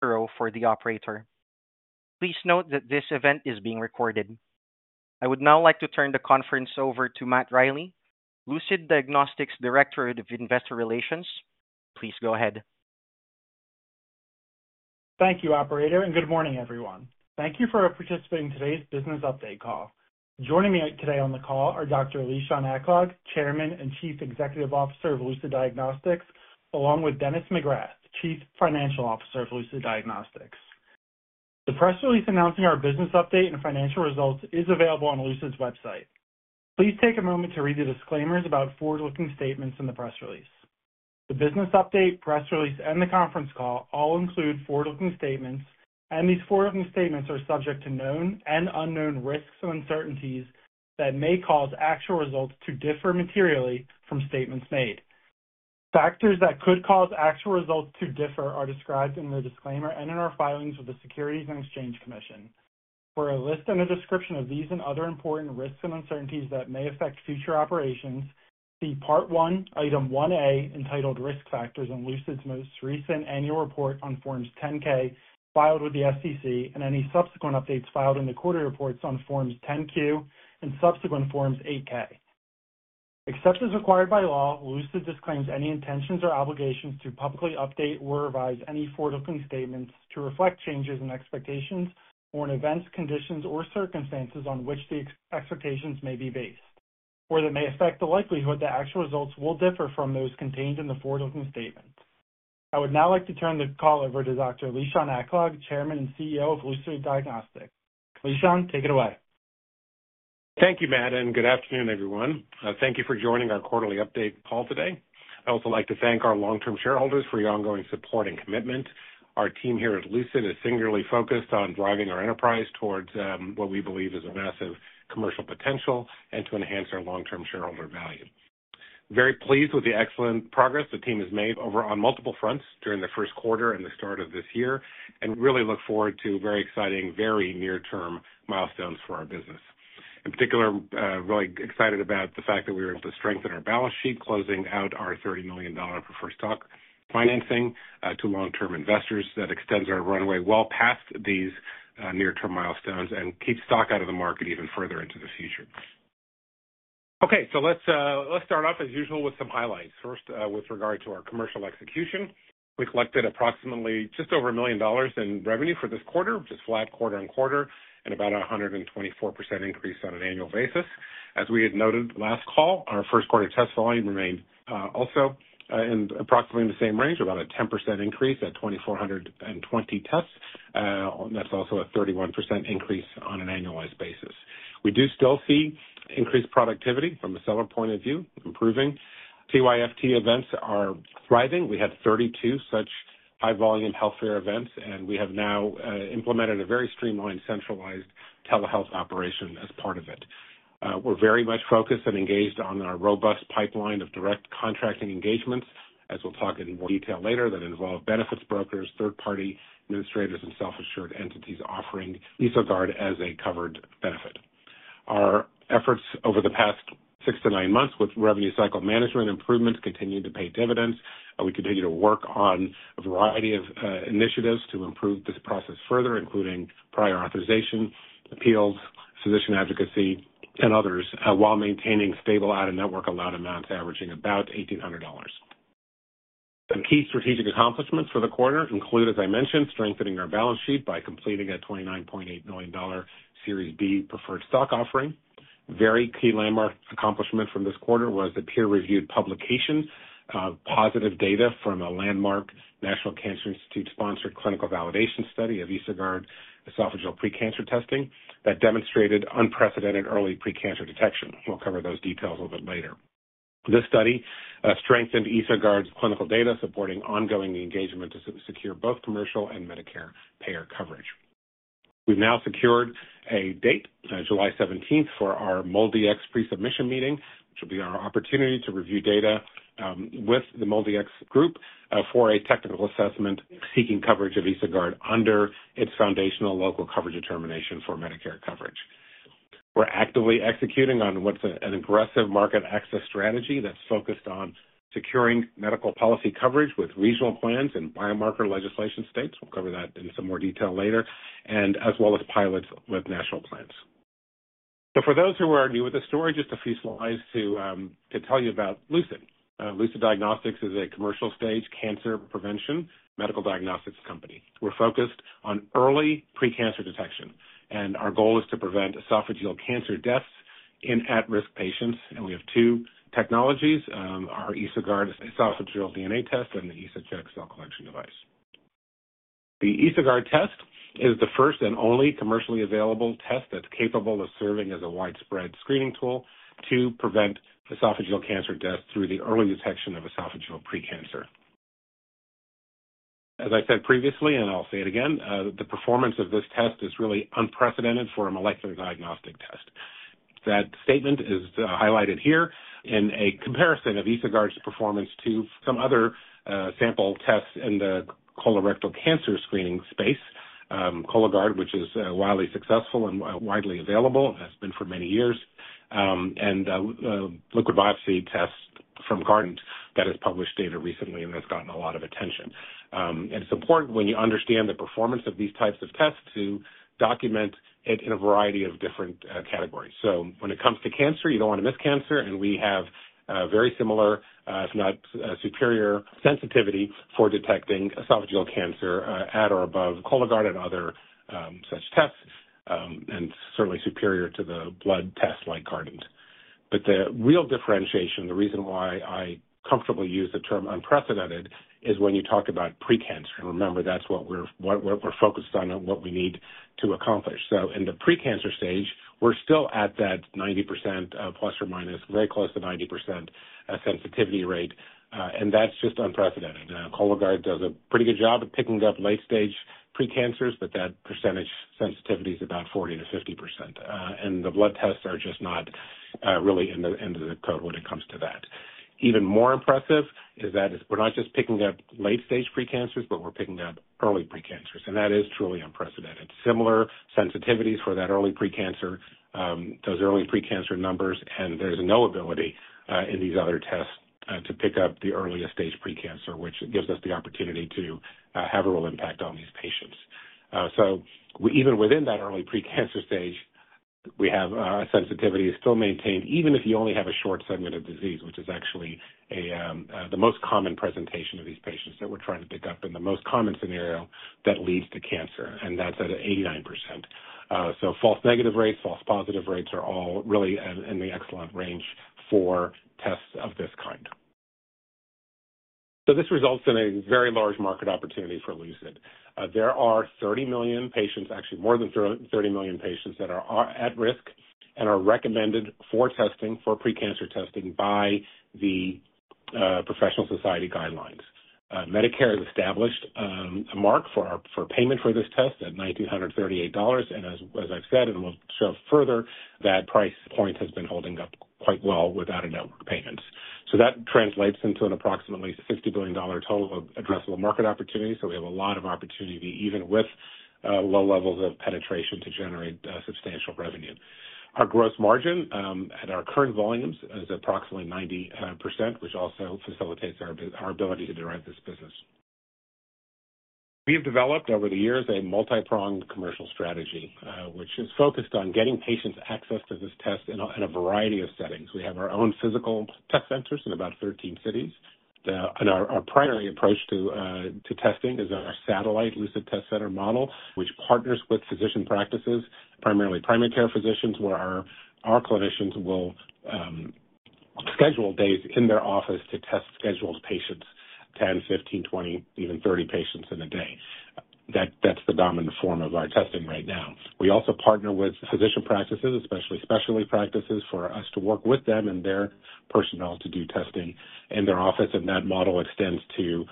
For the operator. Please note that this event is being recorded. I would now like to turn the conference over to Matt Riley, Lucid Diagnostics Director of Investor Relations. Please go ahead. Thank you, operator, and good morning, everyone. Thank you for participating in today's business update call. Joining me today on the call are Dr. Lishan Aklog, Chairman and Chief Executive Officer of Lucid Diagnostics, along with Dennis McGrath, Chief Financial Officer of Lucid Diagnostics. The press release announcing our business update and financial results is available on Lucid's website. Please take a moment to read the disclaimers about forward-looking statements in the press release. The business update, press release, and the conference call all include forward-looking statements, and these forward looking statements are subject to known and unknown risks and uncertainties that may cause actual results to differ materially from statements made. Factors that could cause actual results to differ are described in the disclaimer and in our filings with the Securities and Exchange Commission. For a list and a description of these and other important risks and uncertainties that may affect future operations, see Part 1, Item 1A, entitled Risk Factors in Lucid's most recent annual report on Form 10-K filed with the SEC, and any subsequent updates filed in the quarterly reports on Form 10-Q and subsequent Forms 8-K. Except as required by law, Lucid disclaims any intentions or obligations to publicly update or revise any forward-looking statements to reflect changes in expectations or in events, conditions, or circumstances on which the expectations may be based, or that may affect the likelihood that actual results will differ from those contained in the forward-looking statements. I would now like to turn the call over to Dr. Lishan Aklog, Chairman and CEO of Lucid Diagnostics. Lishan, take it away. Thank you, Matt, and good afternoon, everyone. Thank you for joining our quarterly update call today. I also like to thank our long-term shareholders for your ongoing support and commitment. Our team here at Lucid is singularly focused on driving our enterprise towards what we believe is a massive commercial potential and to enhance our long-term shareholder value. Very pleased with the excellent progress the team has made over on multiple fronts during the Q1 and the start of this year, and really look forward to very exciting, very near term milestones for our business. In particular, really excited about the fact that we were able to strengthen our balance sheet, closing out our $30 million for first stock financing to long term investors that extends our runway well past these near term milestones and keeps stock out of the market even further into the future. Okay, so let's start off as usual with some highlights. First, with regard to our commercial execution, we collected approximately just over $1 million in revenue for this quarter, just flat quarter-over-quarter, and about a 124% increase on an annual basis. As we had noted last call, our first-quarter test volume remained also in approximately the same range, about a 10% increase at 2,420 tests. That's also a 31% increase on an annualized basis. We do still see increased productivity from a seller point of view, improving. CYFT events are thriving. We had 32 such high volume healthcare events, and we have now implemented a very streamlined, centralized telehealth operation as part of it. We're very much focused and engaged on our robust pipeline of direct contracting engagements, as we'll talk in more detail later, that involve benefits brokers, third-party administrators, and self insured entities offering EsoGuard as a covered benefit. Our efforts over the past six to nine months with revenue cycle management improvements continue to pay dividends. We continue to work on a variety of initiatives to improve this process further, including prior authorization, appeals, physician advocacy, and others, while maintaining stable out-of-network allowed amounts averaging about $1,800. Some key strategic accomplishments for the quarter include, as I mentioned, strengthening our balance sheet by completing a $29.8 million Series B preferred stock offering. A very key landmark accomplishment from this quarter was the peer-reviewed publication of positive data from a landmark National Cancer Institute-sponsored clinical validation study of EsoGuard esophageal precancer testing that demonstrated unprecedented early precancer detection. We'll cover those details a little bit later. This study strengthened EsoGuard's clinical data, supporting ongoing engagement to secure both commercial and Medicare payer coverage. We've now secured a date, July 17th, for our MolDX pre-submission meeting, which will be our opportunity to review data with the MolDX group for a technical assessment seeking coverage of EsoGuard under its foundational local coverage determination for Medicare coverage. We're actively executing on what's an aggressive market access strategy that's focused on securing medical policy coverage with regional plans and biomarker legislation states. We'll cover that in some more detail later, as well as pilots with national plans. So for those who are new with the story, just a few slides to tell you about Lucid. Lucid Diagnostics is a commercial-stage cancer prevention medical diagnostics company. We're focused on early precancer detection, and our goal is to prevent esophageal cancer deaths in at-risk patients. We have two technologies, our EsoGuard esophageal DNA test and the EsoCheck cell collection device. The EsoGuard test is the first and only commercially available test that's capable of serving as a widespread screening tool to prevent esophageal cancer deaths through the early detection of esophageal precancer. As I said previously, and I'll say it again, the performance of this test is really unprecedented for a molecular diagnostic test. That statement is highlighted here in a comparison of EsoGuard's performance to some other sample tests in the colorectal cancer screening space. Cologuard, which is widely successful and widely available, has been for many years, and liquid biopsy tests from Guardant that have published data recently and that's gotten a lot of attention. It's important when you understand the performance of these types of tests to document it in a variety of different categories. So when it comes to cancer, you don't want to miss cancer, and we have very similar, if not superior, sensitivity for detecting esophageal cancer at or above Cologuard and other such tests, and certainly superior to the blood test like Guardant. But the real differentiation, the reason why I comfortably use the term unprecedented, is when you talk about precancer. Remember, that's what we're focused on and what we need to accomplish. So in the precancer stage, we're still at that 90% plus or minus, very close to 90% sensitivity rate, and that's just unprecedented. Cologuard does a pretty good job at picking up late-stage precancers, but that percentage sensitivity is about 40%-50%. The blood tests are just not really in the code when it comes to that. Even more impressive is that we're not just picking up late stage precancers, but we're picking up early precancers, and that is truly unprecedented. Similar sensitivities for that early precancer, those early precancer numbers, and there's no ability in these other tests to pick up the earliest stage precancer, which gives us the opportunity to have a real impact on these patients. So even within that early precancer stage, we have a sensitivity still maintained even if you only have a short segment of disease, which is actually the most common presentation of these patients that we're trying to pick up and the most common scenario that leads to cancer, and that's at 89%. So false negative rates, false positive rates are all really in the excellent range for tests of this kind. So this results in a very large market opportunity for Lucid. There are 30 million patients, actually more than 30 million patients, that are at risk and are recommended for testing, for precancer testing, by the Professional Society guidelines. Medicare has established a mark for payment for this test at $1,938, and as I've said, and we'll show further, that price point has been holding up quite well without in-network payments. So that translates into an approximately $50 billion total of addressable market opportunity. So we have a lot of opportunity even with low levels of penetration to generate substantial revenue. Our gross margin at our current volumes is approximately 90%, which also facilitates our ability to derive this business. We have developed over the years a multi-pronged commercial strategy, which is focused on getting patients access to this test in a variety of settings. We have our own physical test centers in about 13 cities. Our primary approach to testing is our satellite Lucid Test Center model, which partners with physician practices, primarily primary care physicians, where our clinicians will schedule days in their office to test scheduled patients, 10, 15, 20, even 30 patients in a day. That's the dominant form of our testing right now. We also partner with physician practices, especially specialty practices, for us to work with them and their personnel to do testing in their office, and that model extends to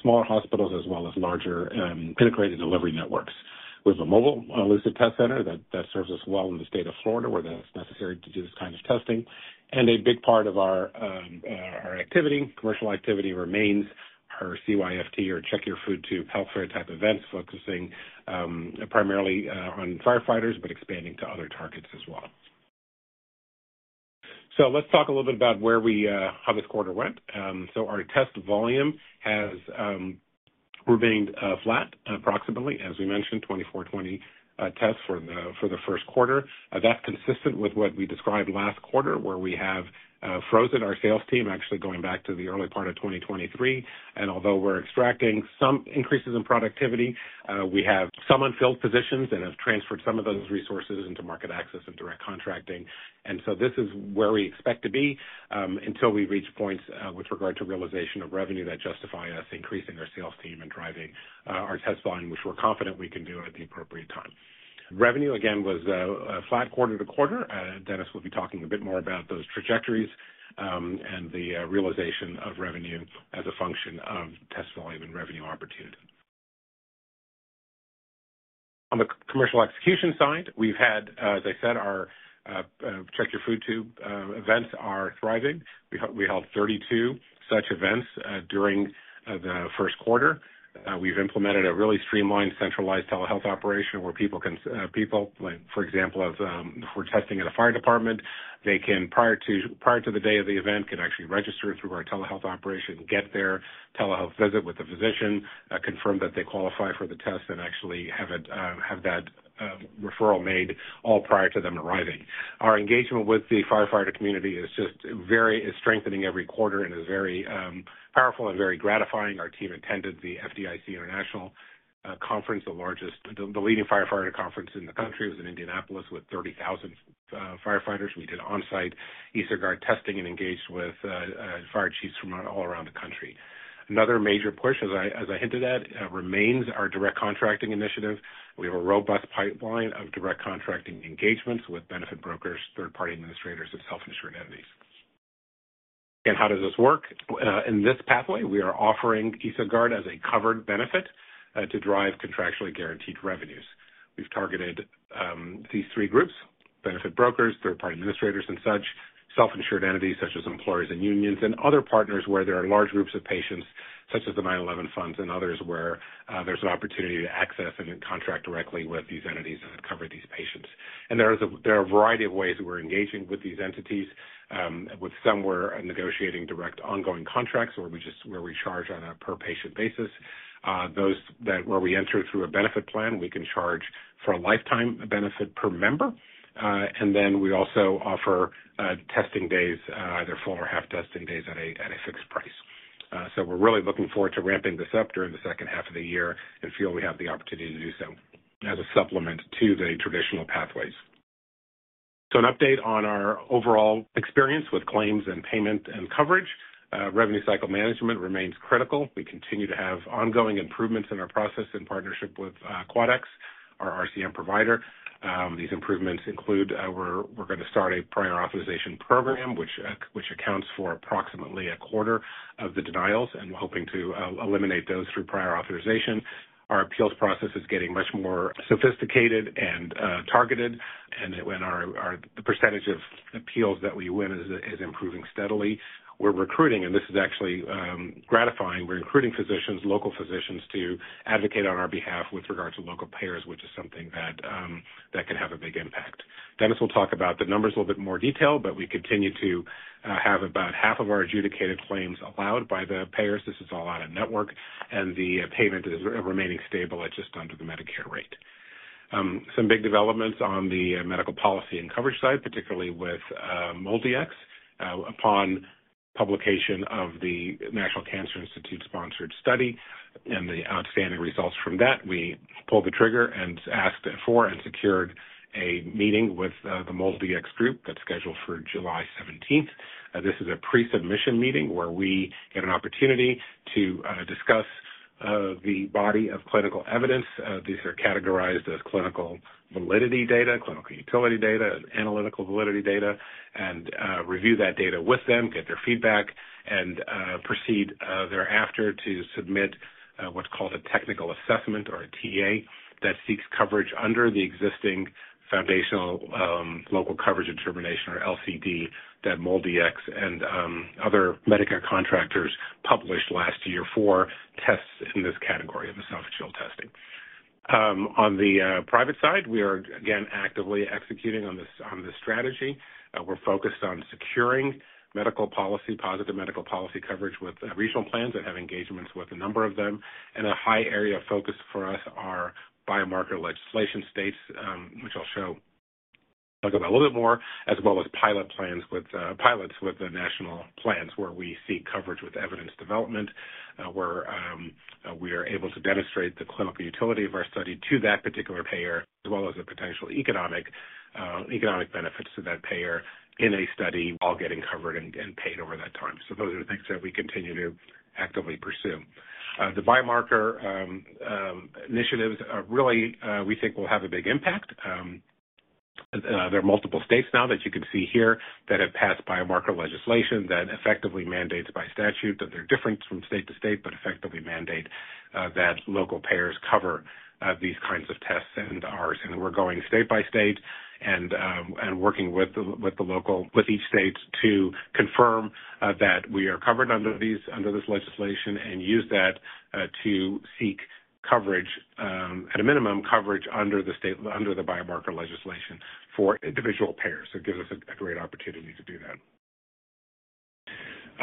smaller hospitals as well as larger integrated delivery networks. We have a mobile Lucid Test Center that serves us well in the state of Florida where that's necessary to do this kind of testing. A big part of our activity, commercial activity, remains our CYFT or Check Your Food Tube, healthcare type events, focusing primarily on firefighters but expanding to other targets as well. Let's talk a little bit about how this quarter went. Our test volume has remained flat, approximately, as we mentioned, 2,420 tests for the Q1. That's consistent with what we described last quarter, where we have frozen our sales team, actually going back to the early part of 2023. Although we're extracting some increases in productivity, we have some unfilled positions and have transferred some of those resources into market access and direct contracting. This is where we expect to be until we reach points with regard to realization of revenue that justify us increasing our sales team and driving our test volume, which we're confident we can do at the appropriate time. Revenue, again, was flat quarter to quarter. Dennis will be talking a bit more about those trajectories and the realization of revenue as a function of test volume and revenue opportunity. On the commercial execution side, we've had, as I said, our Check Your Food Tube events are thriving. We held 32 such events during the Q1. We've implemented a really streamlined, centralized telehealth operation where people can, for example, if we're testing at a fire department, prior to the day of the event, can actually register through our telehealth operation, get their telehealth visit with the physician, confirm that they qualify for the test, and actually have that referral made all prior to them arriving. Our engagement with the firefighter community is strengthening every quarter and is very powerful and very gratifying. Our team attended the FDIC International Conference, the leading firefighter conference in the country. It was in Indianapolis with 30,000 firefighters. We did onsite EsoGuard testing and engaged with fire chiefs from all around the country. Another major push, as I hinted at, remains our direct contracting initiative. We have a robust pipeline of direct contracting engagements with benefit brokers, third-party administrators, and self-insured entities. Again, how does this work? In this pathway, we are offering EsoGuard as a covered benefit to drive contractually guaranteed revenues. We've targeted these three groups: benefit brokers, third-party administrators, and such. Self-insured entities such as employers and unions. And other partners where there are large groups of patients such as the 9/11 funds. And others where there's an opportunity to access and contract directly with these entities that cover these patients. There are a variety of ways that we're engaging with these entities. With some, we're negotiating direct ongoing contracts where we charge on a per-patient basis. Where we enter through a benefit plan, we can charge for a lifetime benefit per member, and then we also offer testing days, either full or half testing days, at a fixed price. So we're really looking forward to ramping this up during the second half of the year and feel we have the opportunity to do so as a supplement to the traditional pathways. So an update on our overall experience with claims and payment and coverage. Revenue cycle management remains critical. We continue to have ongoing improvements in our process in partnership with Quadax, our RCM provider. These improvements include we're going to start a prior authorization program, which accounts for approximately a quarter of the denials, and we're hoping to eliminate those through prior authorization. Our appeals process is getting much more sophisticated and targeted, and the percentage of appeals that we win is improving steadily. We're recruiting, and this is actually gratifying. We're recruiting physicians, local physicians, to advocate on our behalf with regard to local payers, which is something that can have a big impact. Dennis will talk about the numbers in a little bit more detail, but we continue to have about half of our adjudicated claims allowed by the payers. This is all out-of-network, and the payment is remaining stable at just under the Medicare rate. Some big developments on the medical policy and coverage side, particularly with MolDX. Upon publication of the National Cancer Institute-sponsored study and the outstanding results from that, we pulled the trigger and asked for and secured a meeting with the MolDX group that's scheduled for July 17th. This is a pre-submission meeting where we get an opportunity to discuss the body of clinical evidence. These are categorized as clinical validity data, clinical utility data, and analytical validity data, and review that data with them, get their feedback, and proceed thereafter to submit what's called a technical assessment or a TA that seeks coverage under the existing foundational local coverage determination or LCD that MolDX and other Medicare contractors published last year for tests in this category of esophageal testing. On the private side, we are, again, actively executing on this strategy. We're focused on securing medical policy, positive medical policy coverage with regional plans and have engagements with a number of them. A high area of focus for us are Biomarker Legislation states, which I'll talk about a little bit more, as well as pilots with the national plans where we seek coverage with evidence development, where we are able to demonstrate the clinical utility of our study to that particular payer, as well as the potential economic benefits to that payer in a study while getting covered and paid over that time. So those are things that we continue to actively pursue. The biomarker initiatives really we think will have a big impact. There are multiple states now that you can see here that have passed Biomarker Legislation that effectively mandates by statute that they're different from state to state but effectively mandate that local payers cover these kinds of tests and ours. And we're going state by state and working with each state to confirm that we are covered under this legislation and use that to seek coverage, at a minimum, coverage under the biomarker legislation for individual payers. So it gives us a great opportunity to do that.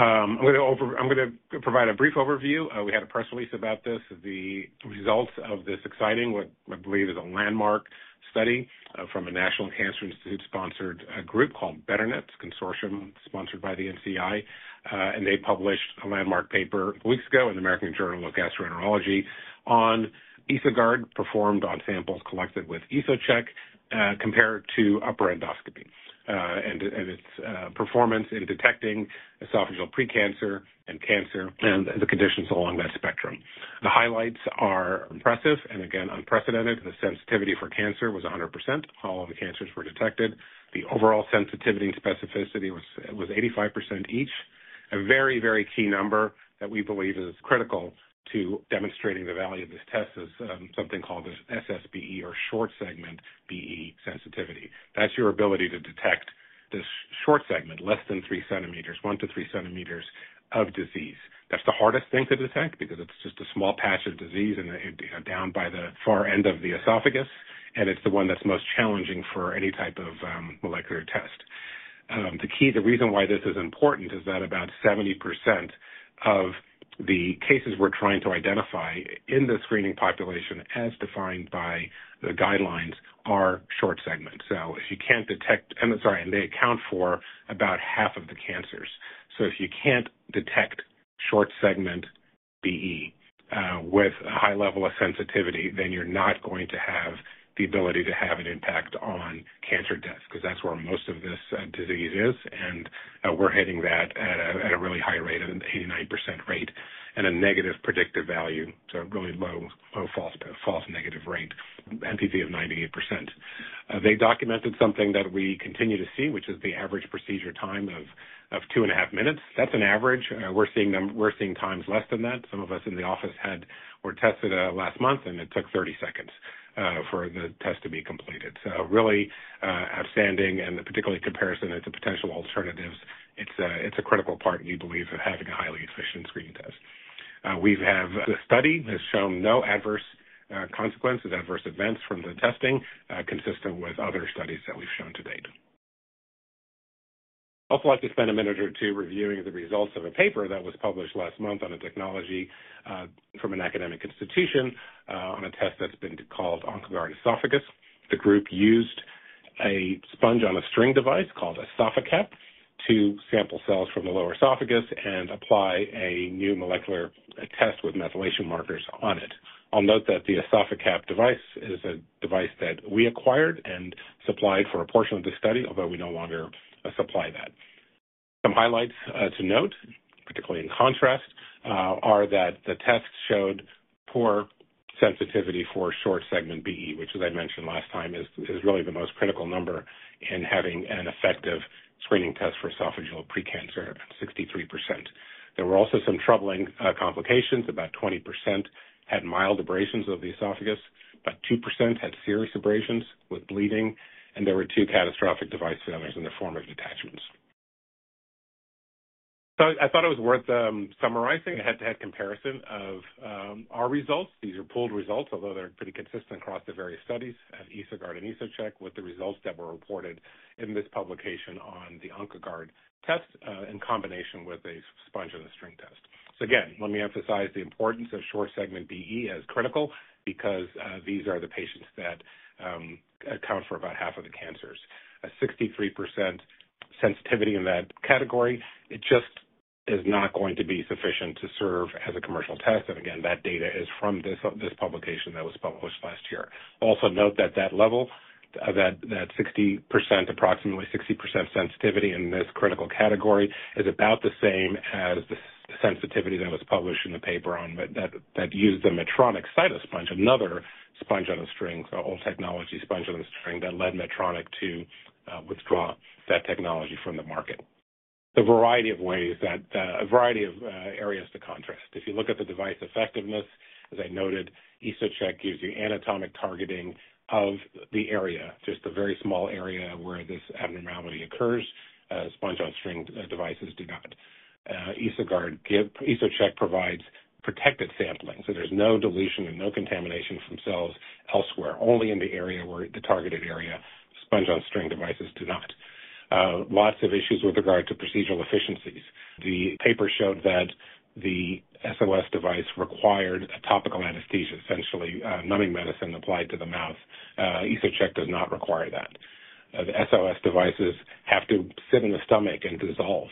I'm going to provide a brief overview. We had a press release about this. The results of this exciting, what I believe is a landmark study from a National Cancer Institute-sponsored group called Betternet Consortium, sponsored by the NCI, and they published a landmark paper a few weeks ago in the American Journal of Gastroenterology on EsoGuard performed on samples collected with EsoCheck compared to upper endoscopy and its performance in detecting esophageal precancer and cancer and the conditions along that spectrum. The highlights are impressive and, again, unprecedented. The sensitivity for cancer was 100%. All of the cancers were detected. The overall sensitivity and specificity was 85% each, a very, very key number that we believe is critical to demonstrating the value of this test is something called SSBE or short segment BE sensitivity. That's your ability to detect this short segment, less than 3 centimeters, 1-3 centimeters of disease. That's the hardest thing to detect because it's just a small patch of disease down by the far end of the esophagus, and it's the one that's most challenging for any type of molecular test. The reason why this is important is that about 70% of the cases we're trying to identify in the screening population as defined by the guidelines are short segments. So if you can't detect, and they account for about half of the cancers. So if you can't detect short segment BE with a high level of sensitivity, then you're not going to have the ability to have an impact on cancer death because that's where most of this disease is, and we're hitting that at a really high rate, an 89% rate, and a negative predictive value, so a really low false negative rate, NPV of 98%. They documented something that we continue to see, which is the average procedure time of 2.5 minutes. That's an average. We're seeing times less than that. Some of us in the office were tested last month, and it took 30 seconds for the test to be completed. So really outstanding, and particularly in comparison to potential alternatives, it's a critical part, we believe, of having a highly efficient screening test. We have. The study has shown no adverse consequences, adverse events from the testing consistent with other studies that we've shown to date. I'd also like to spend a minute or two reviewing the results of a paper that was published last month on a technology from an academic institution on a test that's been called Oncoguard Esophagus. The group used a sponge on a string device called EsophaCap to sample cells from the lower esophagus and apply a new molecular test with methylation markers on it. I'll note that the EsophaCap device is a device that we acquired and supplied for a portion of the study, although we no longer supply that. Some highlights to note, particularly in contrast, are that the test showed poor sensitivity for short segment BE, which, as I mentioned last time, is really the most critical number in having an effective screening test for esophageal precancer, 63%. There were also some troubling complications. About 20% had mild abrasions of the esophagus. About 2% had serious abrasions with bleeding, and there were two catastrophic device failures in the form of detachments. So I thought it was worth summarizing. I had to add comparison of our results. These are pulled results, although they're pretty consistent across the various studies of EsoGuard and EsoCheck with the results that were reported in this publication on the Oncoguard test in combination with a sponge and a string test. So again, let me emphasize the importance of short segment BE as critical because these are the patients that account for about half of the cancers. A 63% sensitivity in that category, it just is not going to be sufficient to serve as a commercial test. And again, that data is from this publication that was published last year. Also note that that level, that approximately 60% sensitivity in this critical category, is about the same as the sensitivity that was published in the paper on that used the Medtronic Cytosponge, another sponge on a string, an old technology sponge on a string that led Medtronic to withdraw that technology from the market. The variety of ways that a variety of areas to contrast. If you look at the device effectiveness, as I noted, EsoCheck gives you anatomic targeting of the area, just the very small area where this abnormality occurs. Sponge-on-string devices do not. EsoCheck provides protected sampling, so there's no dilution and no contamination from cells elsewhere, only in the targeted area sponge-on-string devices do not. Lots of issues with regard to procedural efficiencies. The paper showed that the SOS device required topical anesthesia, essentially numbing medicine applied to the mouth. EsoCheck does not require that. The SOS devices have to sit in the stomach and dissolve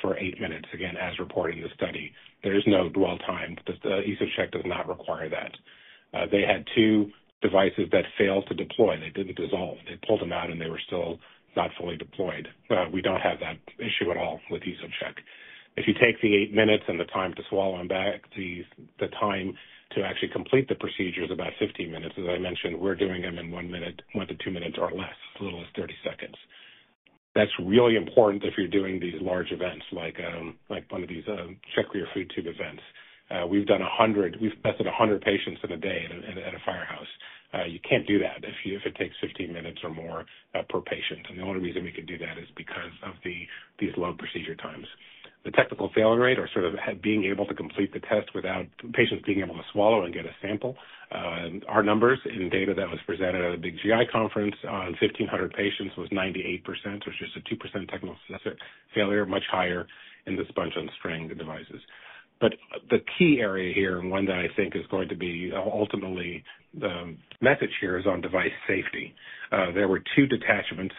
for 8 minutes, again, as reported in the study. There is no dwell time. EsoCheck does not require that. They had 2 devices that failed to deploy. They didn't dissolve. They pulled them out, and they were still not fully deployed. We don't have that issue at all with EsoCheck. If you take the 8 minutes and the time to swallow them back, the time to actually complete the procedure is about 15 minutes. As I mentioned, we're doing them in 1-2 minutes or less, as little as 30 seconds. That's really important if you're doing these large events like one of these Check Your Food Tube events. We've tested 100 patients in a day at a firehouse. You can't do that if it takes 15 minutes or more per patient. The only reason we could do that is because of these low procedure times. The technical failure rate, or sort of being able to complete the test without patients being able to swallow and get a sample, our numbers in data that was presented at a big GI conference on 1,500 patients was 98%, which is a 2% technical failure, much higher in the sponge-on-string devices. But the key area here, and one that I think is going to be ultimately the message here, is on device safety. There were two detachments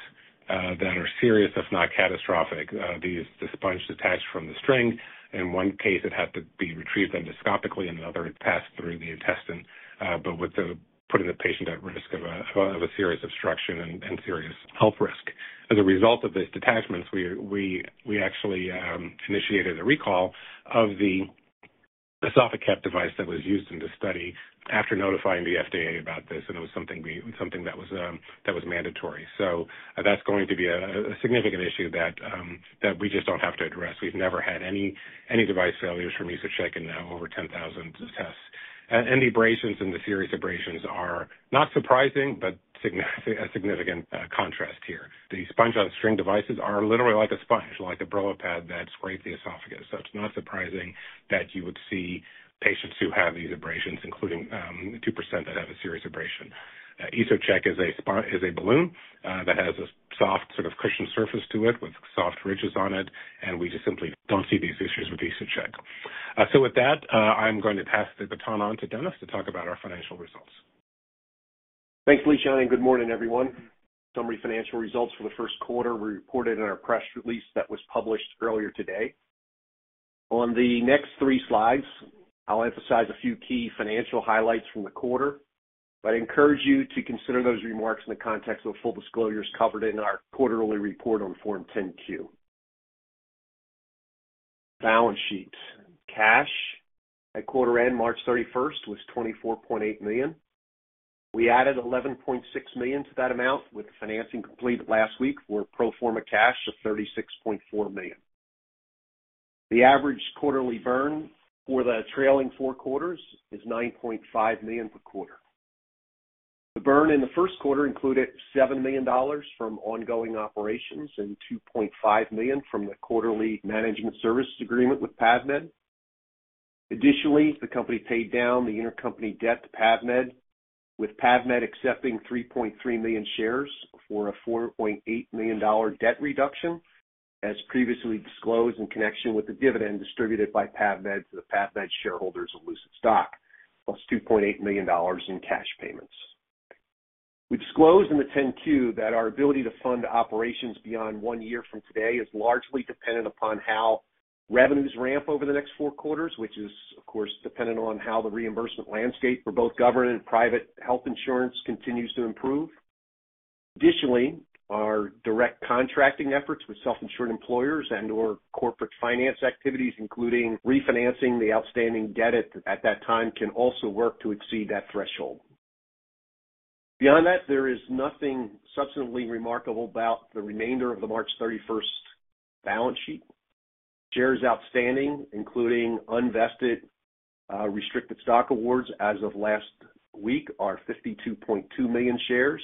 that are serious, if not catastrophic. The sponge detached from the string. In one case, it had to be retrieved endoscopically, and another passed through the intestine, but putting the patient at risk of a serious obstruction and serious health risk. As a result of these detachments, we actually initiated a recall of the EsophaCap device that was used in the study after notifying the FDA about this, and it was something that was mandatory. So that's going to be a significant issue that we just don't have to address. We've never had any device failures from EsoCheck in over 10,000 tests. And the abrasions and the serious abrasions are not surprising but a significant contrast here. The sponge-on-string devices are literally like a sponge, like a Brillo pad that scrapes the esophagus. So it's not surprising that you would see patients who have these abrasions, including 2% that have a serious abrasion. EsoCheck is a balloon that has a soft sort of cushioned surface to it with soft ridges on it, and we just simply don't see these issues with EsoCheck. With that, I'm going to pass the baton on to Dennis to talk about our financial results. Thanks, Lishan, and good morning, everyone. Summary financial results for the Q1. We reported in our press release that was published earlier today. On the next three slides, I'll emphasize a few key financial highlights from the quarter, but I encourage you to consider those remarks in the context of full disclosures covered in our quarterly report on Form 10-Q. Balance sheet cash at quarter end, March 31st, was $24.8 million. We added $11.6 million to that amount with financing completed last week for pro forma cash of $36.4 million. The average quarterly burn for the trailing four quarters is $9.5 million per quarter. The burn in the Q1 included $7 million from ongoing operations and $2.5 million from the quarterly management service agreement with PAVmed. Additionally, the company paid down the intercompany debt to PAVmed, with PAVmed accepting 3.3 million shares for a $4.8 million debt reduction as previously disclosed in connection with the dividend distributed by PAVmed to the PAVmed shareholders of Lucid Stock, plus $2.8 million in cash payments. We disclosed in the 10-Q that our ability to fund operations beyond one year from today is largely dependent upon how revenues ramp over the next four quarters, which is, of course, dependent on how the reimbursement landscape for both government and private health insurance continues to improve. Additionally, our direct contracting efforts with self-insured employers and/or corporate finance activities, including refinancing the outstanding debt at that time, can also work to exceed that threshold. Beyond that, there is nothing substantively remarkable about the remainder of the March 31st balance sheet. Shares outstanding, including unvested restricted stock awards as of last week, are 52.2 million shares,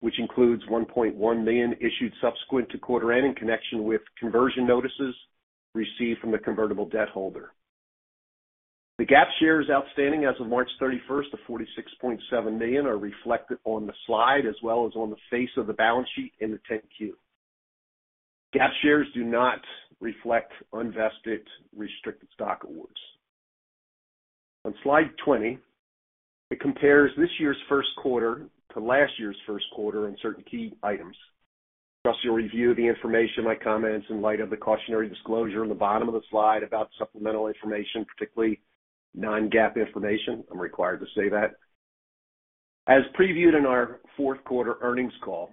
which includes 1.1 million issued subsequent to quarter end in connection with conversion notices received from the convertible debt holder. The GAAP shares outstanding as of March 31st of 46.7 million are reflected on the slide as well as on the face of the balance sheet in the 10-Q. GAAP shares do not reflect unvested restricted stock awards. On slide 20, it compares this year's Q1 to last year's Q1 on certain key items. I'll also review the information, my comments, in light of the cautionary disclosure in the bottom of the slide about supplemental information, particularly non-GAAP information. I'm required to say that. As previewed in our Q4 earnings call,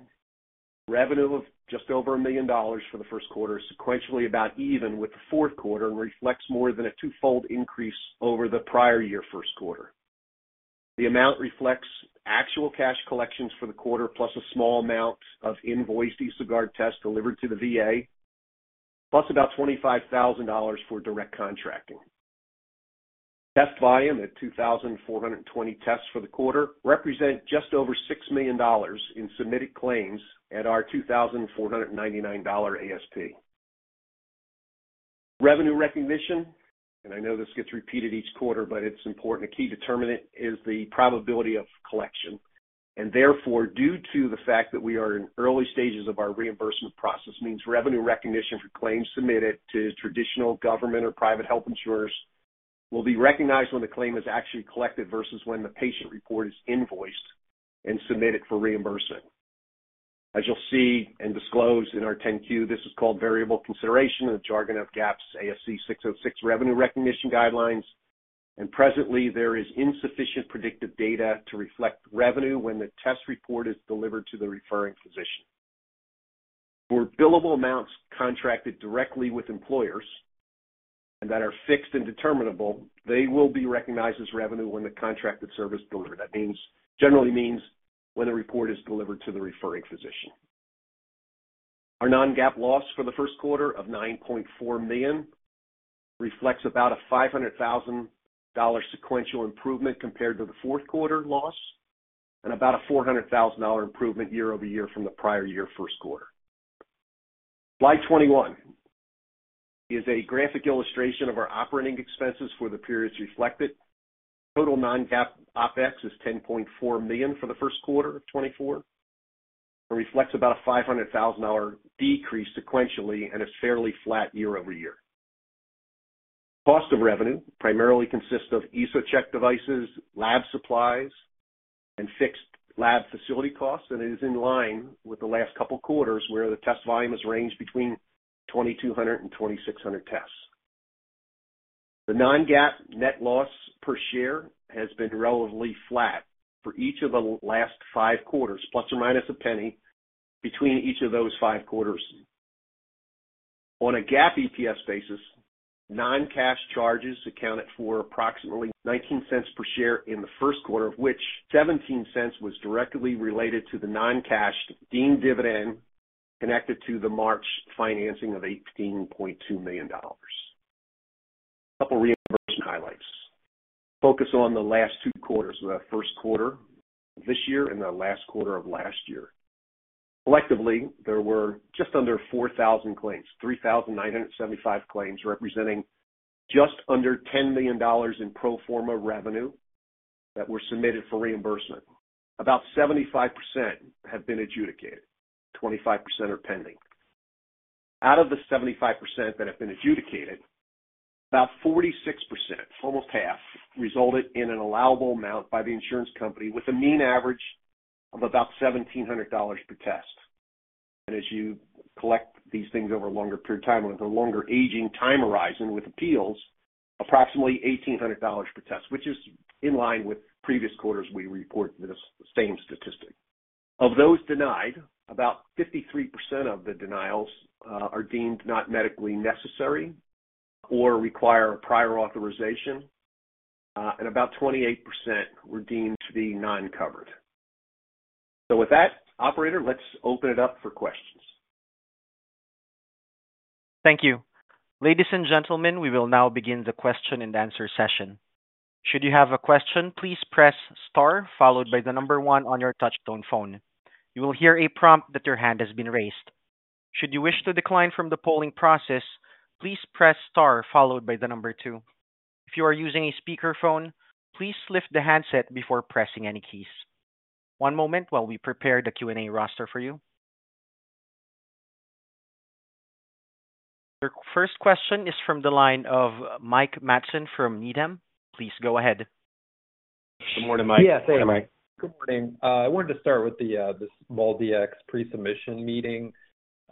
revenue of just over $1 million for the Q1 is sequentially about even with the Q4 and reflects more than a twofold increase over the prior year Q1. The amount reflects actual cash collections for the quarter, plus a small amount of invoiced EsoGuard tests delivered to the VA, plus about $25,000 for direct contracting. Test volume at 2,420 tests for the quarter represents just over $6 million in submitted claims at our $2,499 ASP. Revenue recognition, and I know this gets repeated each quarter, but it's important. A key determinant is the probability of collection. Therefore, due to the fact that we are in early stages of our reimbursement process, it means revenue recognition for claims submitted to traditional government or private health insurers will be recognized when the claim is actually collected versus when the patient report is invoiced and submitted for reimbursement. As you'll see and disclose in our 10-Q, this is called variable consideration in the jargon of GAAP's ASC 606 revenue recognition guidelines. Presently, there is insufficient predictive data to reflect revenue when the test report is delivered to the referring physician. For billable amounts contracted directly with employers and that are fixed and determinable, they will be recognized as revenue when the contracted service is delivered. That generally means when the report is delivered to the referring physician. Our non-GAAP loss for the Q1 of $9.4 million reflects about a $500,000 sequential improvement compared to the Q4 loss and about a $400,000 improvement year-over-year from the prior year Q1. Slide 21 is a graphic illustration of our operating expenses for the periods reflected. Total non-GAAP OpEx is $10.4 million for the Q1 of 2024 and reflects about a $500,000 decrease sequentially and is fairly flat year-over-year. Cost of revenue primarily consists of EsoCheck devices, lab supplies, and fixed lab facility costs, and it is in line with the last couple of quarters where the test volume has ranged between 2,200 and 2,600 tests. The non-GAAP net loss per share has been relatively flat for each of the last five quarters, plus or minus a penny between each of those five quarters. On a GAAP EPS basis, non-cash charges accounted for approximately $0.19 per share in the Q1, of which $0.17 was directly related to the non-cash deemed dividend connected to the March financing of $18.2 million. A couple of reimbursement highlights. Focus on the last two quarters, the Q1 of this year and the last quarter of last year. Collectively, there were just under 4,000 claims, 3,975 claims representing just under $10 million in pro forma revenue that were submitted for reimbursement. About 75% have been adjudicated. 25% are pending. Out of the 75% that have been adjudicated, about 46%, almost half, resulted in an allowable amount by the insurance company with a mean average of about $1,700 per test. As you collect these things over a longer period of time, with a longer aging time horizon with appeals, approximately $1,800 per test, which is in line with previous quarters. We report this same statistic. Of those denied, about 53% of the denials are deemed not medically necessary or require a prior authorization, and about 28% were deemed to be non-covered. With that, operator, let's open it up for questions. Thank you. Ladies and gentlemen, we will now begin the question-and-answer session. Should you have a question, please press star followed by the number one on your touchtone phone. You will hear a prompt that your hand has been raised. Should you wish to decline from the polling process, please press followed by the number 2. If you are using a speakerphone, please lift the handset before pressing any keys. One moment while we prepare the Q&A roster for you. Your first question is from the line of Mike Matson from Needham. Please go ahead. Good morning, Mike. Yeah, thanks. Hi, Mike. Good morning. I wanted to start with this MolDX pre-submission meeting.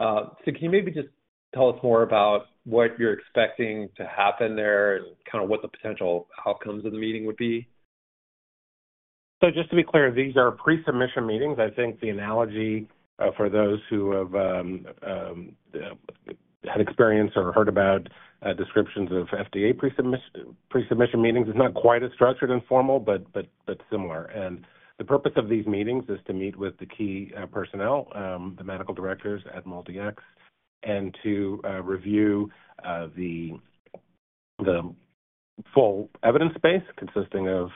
So can you maybe just tell us more about what you're expecting to happen there and kind of what the potential outcomes of the meeting would be? So just to be clear, these are pre-submission meetings. I think the analogy for those who have had experience or heard about descriptions of FDA pre-submission meetings is not quite as structured and formal, but similar. The purpose of these meetings is to meet with the key personnel, the medical directors at MolDX, and to review the full evidence base consisting of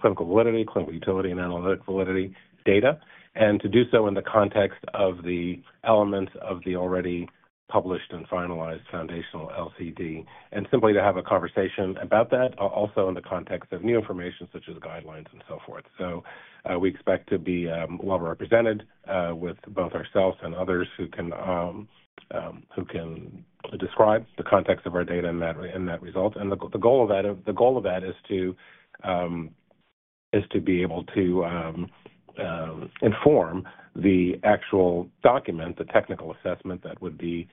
clinical validity, clinical utility, and analytic validity data, and to do so in the context of the elements of the already published and finalized foundational LCD, and simply to have a conversation about that also in the context of new information such as guidelines and so forth. So we expect to be well represented with both ourselves and others who can describe the context of our data and that result. The goal of that is to be able to inform the actual document, the technical assessment that would be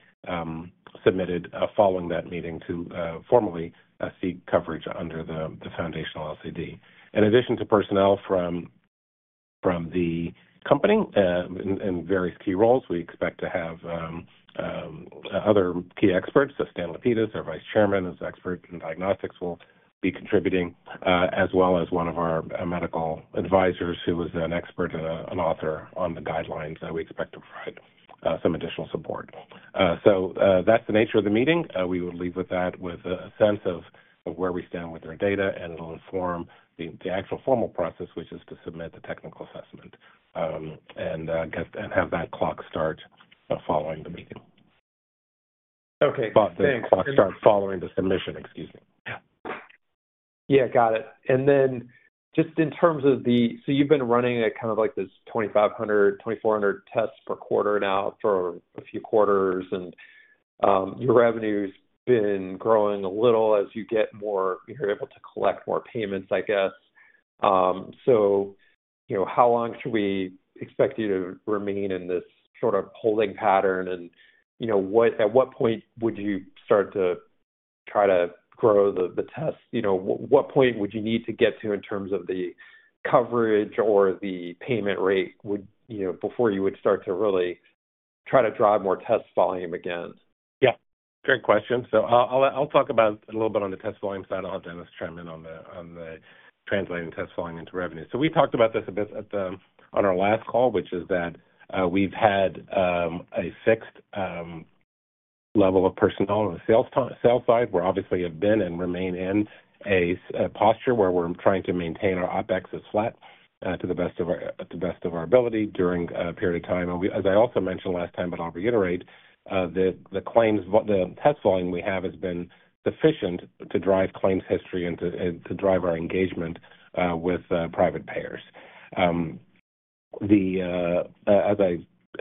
submitted following that meeting to formally seek coverage under the foundational LCD. In addition to personnel from the company in various key roles, we expect to have other key experts. Stan Lapidus, our Vice Chairman, who's an expert in diagnostics, will be contributing, as well as one of our medical advisors who is an expert and an author on the guidelines that we expect to provide some additional support. That's the nature of the meeting. We would leave with that, with a sense of where we stand with our data, and it'll inform the actual formal process, which is to submit the technical assessment and have that clock start following the meeting. Okay. Thanks. The clock starts following the submission. Excuse me. Yeah, got it. And then just in terms of the so you've been running at kind of like this 2,500, 2,400 tests per quarter now for a few quarters, and your revenue's been growing a little as you get more you're able to collect more payments, I guess. So how long should we expect you to remain in this sort of holding pattern? And at what point would you start to try to grow the tests? What point would you need to get to in terms of the coverage or the payment rate before you would start to really try to drive more test volume again? Yeah, great question. So I'll talk about a little bit on the test volume side. I'll have Dennis chime in on the translating test volume into revenue. So we talked about this a bit on our last call, which is that we've had a fixed level of personnel on the sales side. We obviously have been and remain in a posture where we're trying to maintain our OpEx as flat to the best of our ability during a period of time. And as I also mentioned last time, but I'll reiterate, the test volume we have has been sufficient to drive claims history and to drive our engagement with private payers.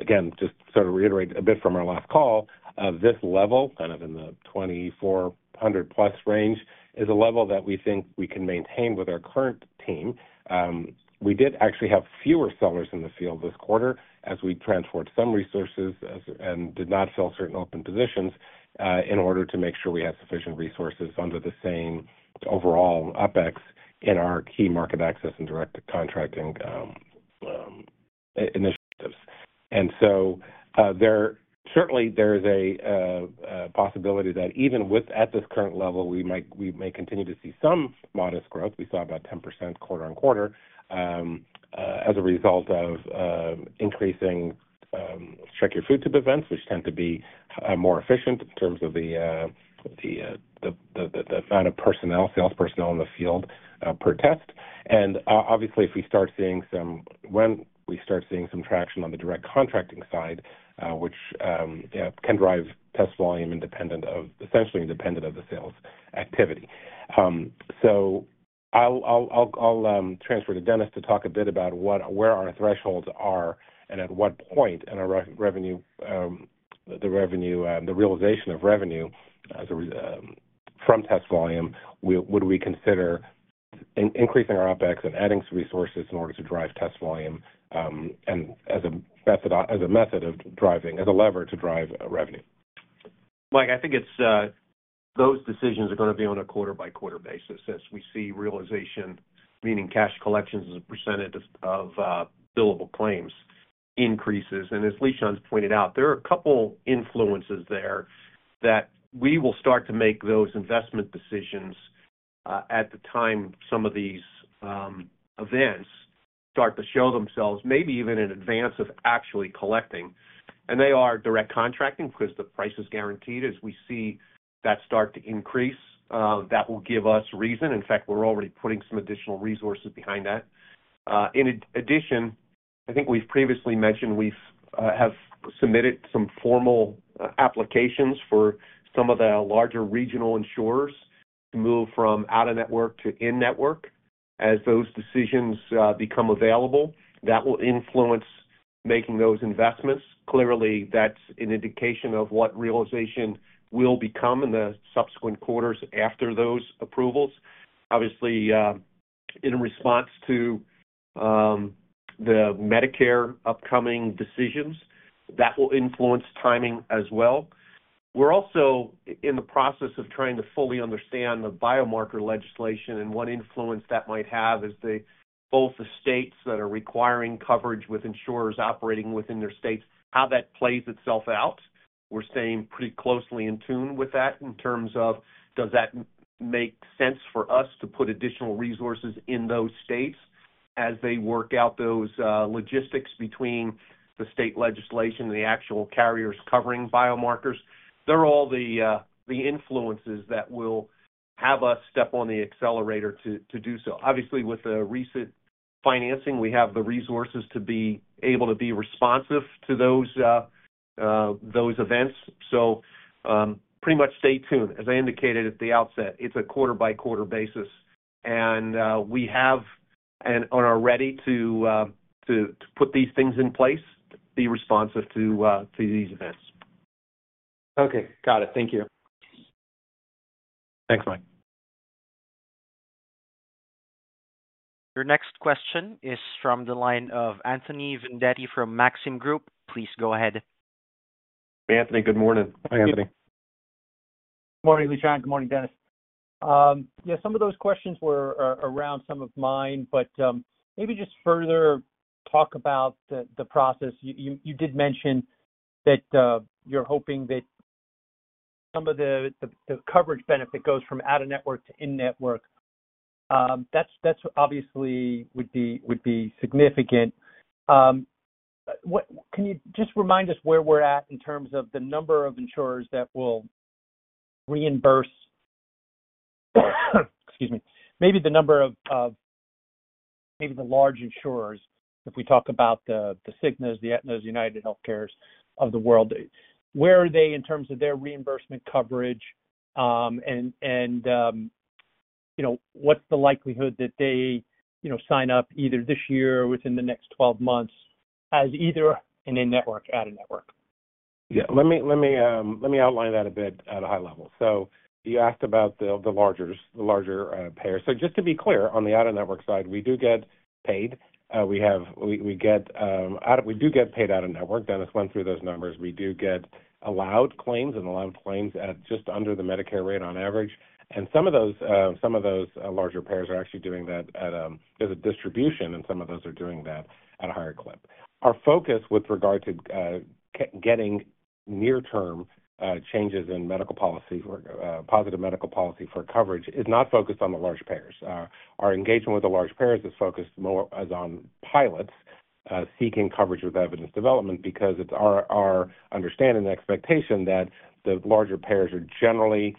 Again, just sort of reiterate a bit from our last call, this level, kind of in the 2,400+ range, is a level that we think we can maintain with our current team. We did actually have fewer sellers in the field this quarter as we transported some resources and did not fill certain open positions in order to make sure we had sufficient resources under the same overall OpEx in our key market access and direct contracting initiatives. So certainly, there is a possibility that even at this current level, we may continue to see some modest growth. We saw about 10% quarter-on-quarter as a result of increasing Check Your Food Tube events, which tend to be more efficient in terms of the amount of personnel, sales personnel in the field per test. And obviously, if we start seeing some traction on the direct contracting side, which can drive test volume essentially independent of the sales activity. So I'll transfer to Dennis to talk a bit about where our thresholds are and at what point in the realization of revenue from test volume, would we consider increasing our OpEx and adding resources in order to drive test volume as a method of driving as a lever to drive revenue? Mike, I think those decisions are going to be on a quarter-by-quarter basis as we see realization, meaning cash collections as a percentage of billable claims, increases. As Lishan's pointed out, there are a couple of influences there that we will start to make those investment decisions at the time some of these events start to show themselves, maybe even in advance of actually collecting. They are direct contracting because the price is guaranteed. As we see that start to increase, that will give us reason. In fact, we're already putting some additional resources behind that. In addition, I think we've previously mentioned we have submitted some formal applications for some of the larger regional insurers to move from out-of-network to in-network. As those decisions become available, that will influence making those investments. Clearly, that's an indication of what realization will become in the subsequent quarters after those approvals. Obviously, in response to the Medicare upcoming decisions, that will influence timing as well. We're also in the process of trying to fully understand the biomarker legislation, and one influence that might have is both the states that are requiring coverage with insurers operating within their states, how that plays itself out. We're staying pretty closely in tune with that in terms of does that make sense for us to put additional resources in those states as they work out those logistics between the state legislation and the actual carriers covering biomarkers. They're all the influences that will have us step on the accelerator to do so. Obviously, with the recent financing, we have the resources to be able to be responsive to those events. So pretty much stay tuned. As I indicated at the outset, it's a quarter-by-quarter basis, and we have and are ready to put these things in place, be responsive to these events. Okay. Got it. Thank you. Thanks, Mike. Your next question is from the line of Anthony Vendetti from Maxim Group. Please go ahead. Anthony, good morning. Hi, Anthony. Good morning, Lishan. Good morning, Dennis. Yeah, some of those questions were around some of mine, but maybe just further talk about the process. You did mention that you're hoping that some of the coverage benefit goes from out-of-network to in-network. That obviously would be significant. Can you just remind us where we're at in terms of the number of insurers that will reimburse, excuse me, maybe the number of maybe the large insurers, if we talk about the Cignas, the Aetnas, UnitedHealthcares of the world, where are they in terms of their reimbursement coverage, and what's the likelihood that they sign up either this year or within the next 12 months as either an in-network, out-of-network? Yeah, let me outline that a bit at a high level. So you asked about the larger payers. So just to be clear, on the out-of-network side, we do get paid. We do get paid out-of-network. Dennis went through those numbers. We do get allowed claims, and allowed claims at just under the Medicare rate on average. And some of those larger payers are actually doing that. There's a distribution, and some of those are doing that at a higher clip. Our focus with regard to getting near-term changes in positive medical policy for coverage is not focused on the large payers. Our engagement with the large payers is focused more on pilots seeking coverage with evidence development because it's our understanding and expectation that the larger payers generally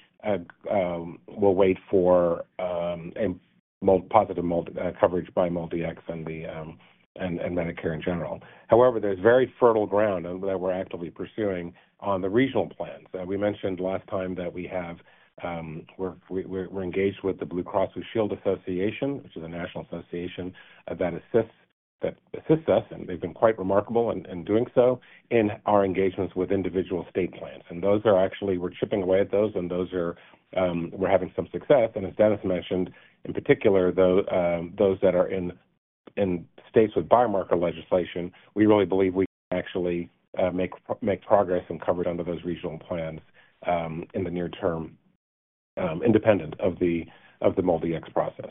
will wait for positive coverage by MolDX and Medicare in general. However, there's very fertile ground that we're actively pursuing on the regional plans. We mentioned last time that we're engaged with the Blue Cross Blue Shield Association, which is a national association that assists us, and they've been quite remarkable in doing so in our engagements with individual state plans. We're chipping away at those, and we're having some success. As Dennis mentioned, in particular, those that are in states with biomarker legislation, we really believe we can actually make progress in coverage under those regional plans in the near term, independent of the MolDX process.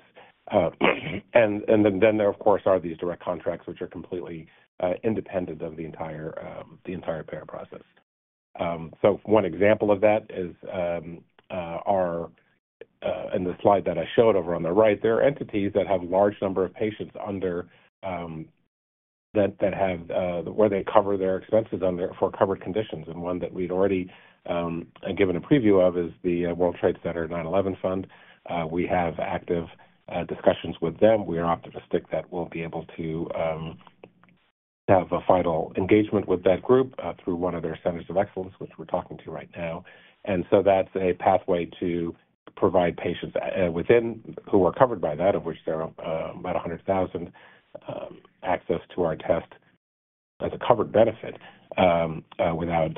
Then there, of course, are these direct contracts, which are completely independent of the entire payer process. One example of that is in the slide that I showed over on the right. There are entities that have a large number of patients under that have where they cover their expenses for covered conditions. And one that we'd already given a preview of is the World Trade Center 9/11 Fund. We have active discussions with them. We are opting to stick that we'll be able to have a final engagement with that group through one of their centers of excellence, which we're talking to right now. And so that's a pathway to provide patients within who are covered by that, of which there are about 100,000, access to our test as a covered benefit without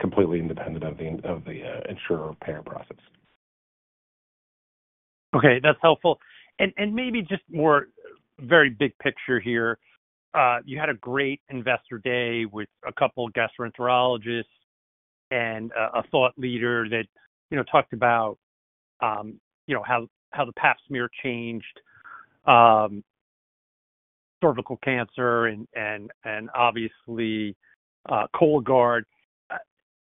completely independent of the insurer payer process. Okay. That's helpful. Maybe just more very big picture here. You had a great investor day with a couple of gastroenterologists and a thought leader that talked about how the Pap smear changed cervical cancer and obviously Cologuard.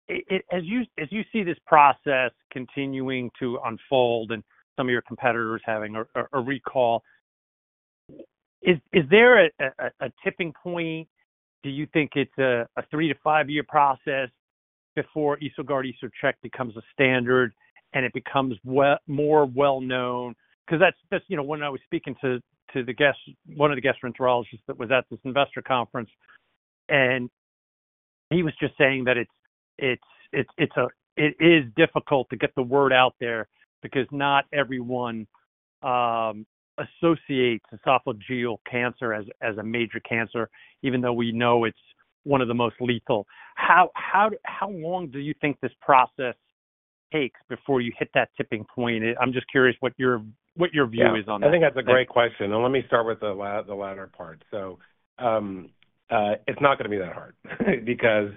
As you see this process continuing to unfold and some of your competitors having a recall, is there a tipping point? Do you think it's a 3-5-year process before EsoGuard/EsoCheck becomes a standard and it becomes more well-known? Because when I was speaking to one of the gastroenterologists that was at this investor conference, and he was just saying that it is difficult to get the word out there because not everyone associates esophageal cancer as a major cancer, even though we know it's one of the most lethal. How long do you think this process takes before you hit that tipping point? I'm just curious what your view is on that. Yeah. I think that's a great question. And let me start with the latter part. So it's not going to be that hard because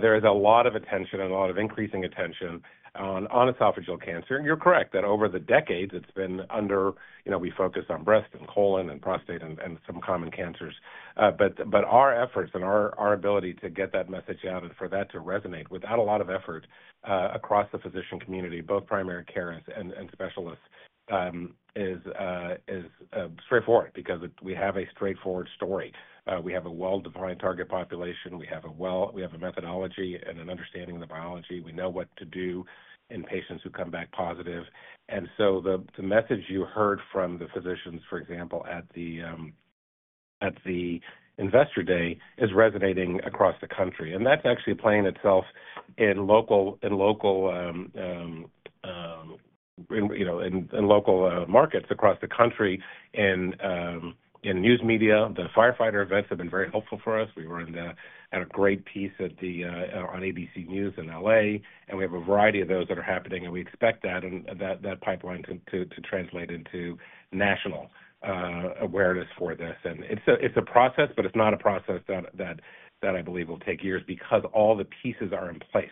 there is a lot of attention and a lot of increasing attention on esophageal cancer. And you're correct that over the decades, it's been under we focus on breast and colon and prostate and some common cancers. But our efforts and our ability to get that message out and for that to resonate without a lot of effort across the physician community, both primary carers and specialists, is straightforward because we have a straightforward story. We have a well-defined target population. We have a methodology and an understanding of the biology. We know what to do in patients who come back positive. And so the message you heard from the physicians, for example, at the investor day is resonating across the country. And that's actually playing itself out in local markets across the country. In news media, the firefighter events have been very helpful for us. We were at a great piece on ABC News in L.A., and we have a variety of those that are happening, and we expect that pipeline to translate into national awareness for this. And it's a process, but it's not a process that I believe will take years because all the pieces are in place.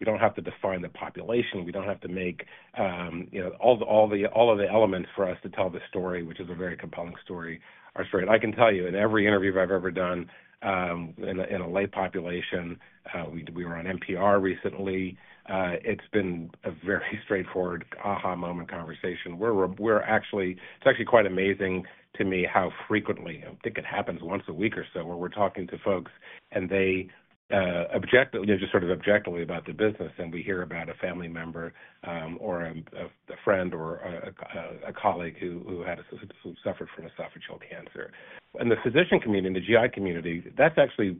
We don't have to define the population. We don't have to make all of the elements for us to tell the story, which is a very compelling story, are straight. I can tell you, in every interview I've ever done in a lay population, we were on NPR recently. It's been a very straightforward aha moment conversation. It's actually quite amazing to me how frequently I think it happens once a week or so where we're talking to folks, and they just sort of objectively about the business, and we hear about a family member or a friend or a colleague who suffered from esophageal cancer. In the physician community, the GI community, that's actually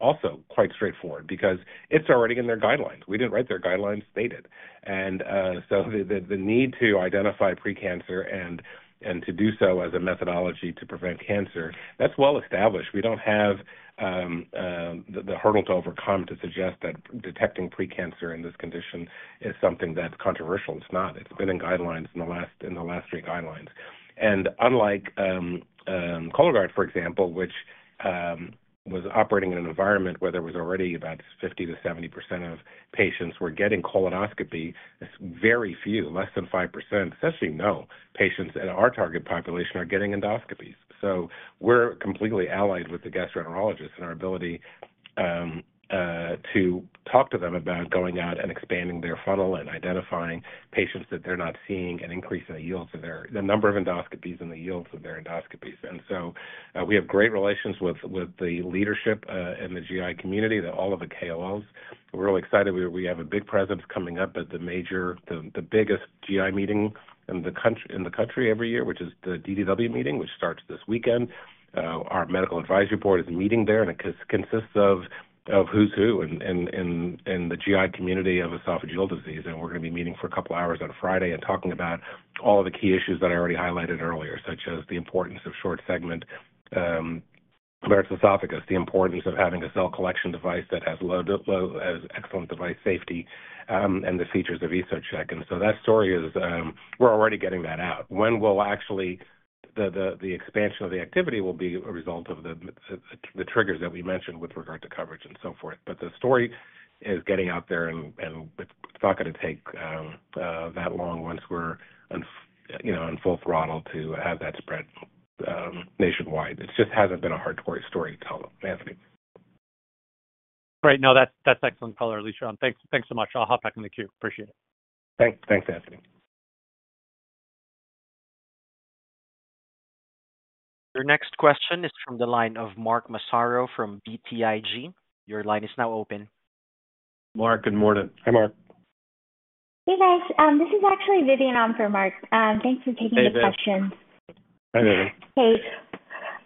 also quite straightforward because it's already in their guidelines. We didn't write their guidelines. They did. And so the need to identify precancer and to do so as a methodology to prevent cancer, that's well established. We don't have the hurdle to overcome to suggest that detecting precancer in this condition is something that's controversial. It's not. It's been in guidelines in the last three guidelines. Unlike Cologuard, for example, which was operating in an environment where there was already about 50%-70% of patients who were getting colonoscopy, very few, less than 5%, essentially no patients in our target population are getting endoscopies. So we're completely allied with the gastroenterologists in our ability to talk to them about going out and expanding their funnel and identifying patients that they're not seeing and increasing the yields of their number of endoscopies and the yields of their endoscopies. So we have great relations with the leadership in the GI community, all of the KOLs. We're really excited. We have a big presence coming up at the biggest GI meeting in the country every year, which is the DDW meeting, which starts this weekend. Our medical advisory board is meeting there, and it consists of who's who in the GI community of esophageal disease. We're going to be meeting for a couple of hours on Friday and talking about all of the key issues that I already highlighted earlier, such as the importance of short-segment Barrett's Esophagus, the importance of having a cell collection device that has excellent device safety, and the features of EsoCheck. So that story is, we're already getting that out. When will actually the expansion of the activity will be a result of the triggers that we mentioned with regard to coverage and so forth. But the story is getting out there, and it's not going to take that long once we're on full throttle to have that spread nationwide. It just hasn't been a hard story to tell them, Anthony. Great. No, that's excellent, Paul or Lishan. Thanks so much. I'll hop back in the queue. Appreciate it. Thanks, Anthony. Your next question is from the line of Mark Massaro from BTIG. Your line is now open. Mark, good morning. Hi, Mark. Hey, guys. This is actually Vivian Ohm for Mark. Thanks for taking the questions. Hey, Vivian. Hey.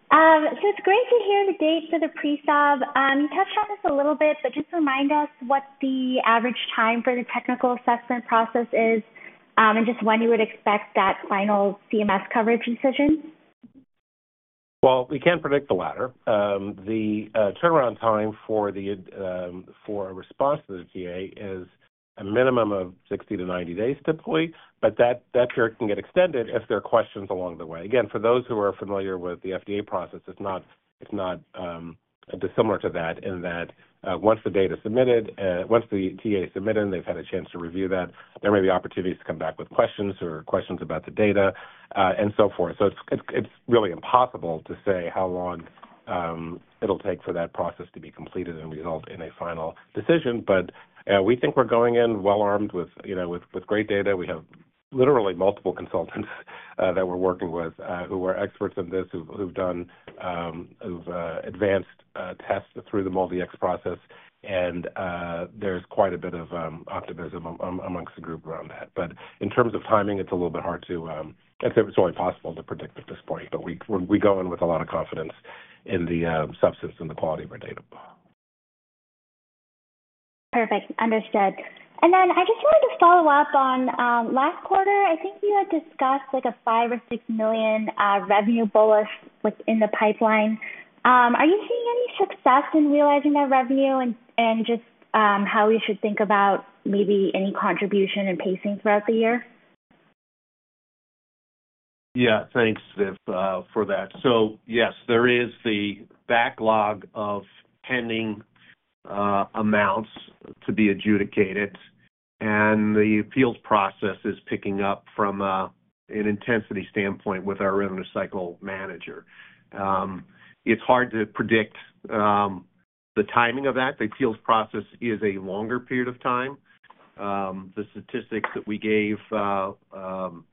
So it's great to hear the dates of the pre-sub. You touched on this a little bit, but just remind us what the average time for the technical assessment process is and just when you would expect that final CMS coverage decision. Well, we can predict the latter. The turnaround time for a response to the TA is a minimum of 60-90 days, typically, but that period can get extended if there are questions along the way. Again, for those who are familiar with the FDA process, it's not dissimilar to that in that once the data's submitted once the TA's submitted and they've had a chance to review that, there may be opportunities to come back with questions or questions about the data and so forth. So it's really impossible to say how long it'll take for that process to be completed and result in a final decision. But we think we're going in well-armed with great data. We have literally multiple consultants that we're working with who are experts in this, who've done advanced tests through the MolDX process. There's quite a bit of optimism among the group around that. But in terms of timing, it's only possible to predict at this point. But we go in with a lot of confidence in the substance and the quality of our data. Perfect. Understood. And then I just wanted to follow up on last quarter. I think you had discussed a $5 million or $6 million revenue bonus within the pipeline. Are you seeing any success in realizing that revenue and just how we should think about maybe any contribution and pacing throughout the year? Yeah. Thanks, Viv, for that. So yes, there is the backlog of pending amounts to be adjudicated, and the appeals process is picking up from an intensity standpoint with our revenue cycle manager. It's hard to predict the timing of that. The appeals process is a longer period of time. The statistics that we gave on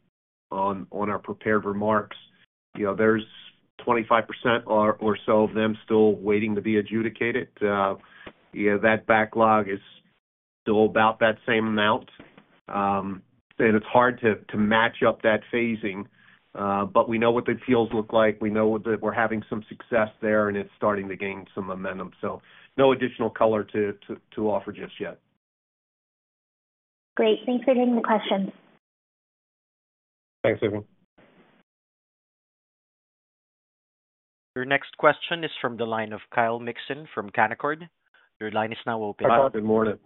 our prepared remarks, there's 25% or so of them still waiting to be adjudicated. That backlog is still about that same amount, and it's hard to match up that phasing. But we know what the appeals look like. We know that we're having some success there, and it's starting to gain some momentum. So no additional color to offer just yet. Great. Thanks for taking the questions. Thanks, Vivian. Your next question is from the line of Kyle Mixon from Canaccord. Your line is now open. Hi, Kyle. Good morning.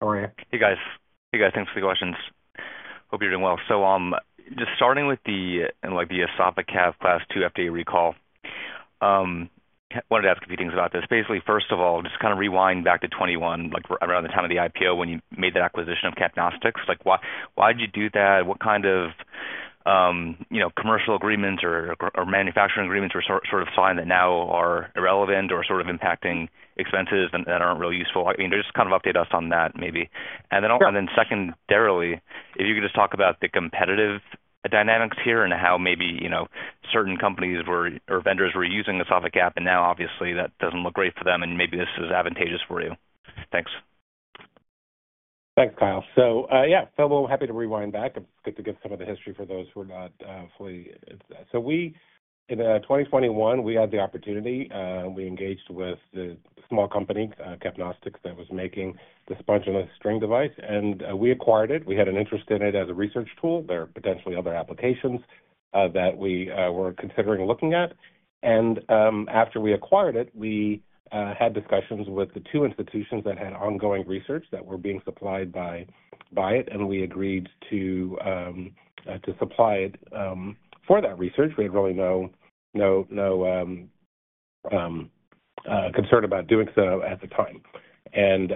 How are you? Hey, guys. Hey, guys. Thanks for the questions. Hope you're doing well. So just starting with the esophagus class II FDA recall, I wanted to ask a few things about this. Basically, first of all, just kind of rewind back to 2021, around the time of the IPO when you made that acquisition of CapNostics. Why did you do that? What kind of commercial agreements or manufacturing agreements were sort of signed that now are irrelevant or sort of impacting expenses that aren't really useful? I mean, just kind of update us on that maybe. And then secondarily, if you could just talk about the competitive dynamics here and how maybe certain companies or vendors were using EsophaCap, and now, obviously, that doesn't look great for them, and maybe this is advantageous for you. Thanks. Thanks, Kyle. So yeah, Phil, we're happy to rewind back. It's good to give some of the history for those who are not fully so in 2021, we had the opportunity. We engaged with the small company, CapNostics, that was making the sponge and the string device, and we acquired it. We had an interest in it as a research tool. There are potentially other applications that we were considering looking at. And after we acquired it, we had discussions with the two institutions that had ongoing research that were being supplied by it, and we agreed to supply it for that research. We had really no concern about doing so at the time. And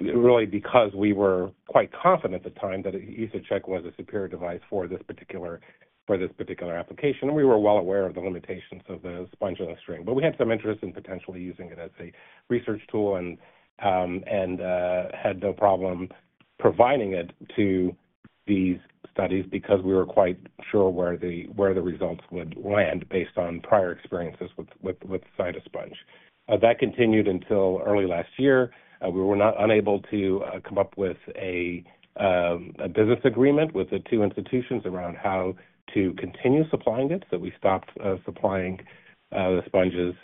really, because we were quite confident at the time that EsoCheck was a superior device for this particular application, and we were well aware of the limitations of the sponge and the string. We had some interest in potentially using it as a research tool and had no problem providing it to these studies because we were quite sure where the results would land based on prior experiences with Cytosponge. That continued until early last year. We were unable to come up with a business agreement with the two institutions around how to continue supplying it, so we stopped supplying the sponges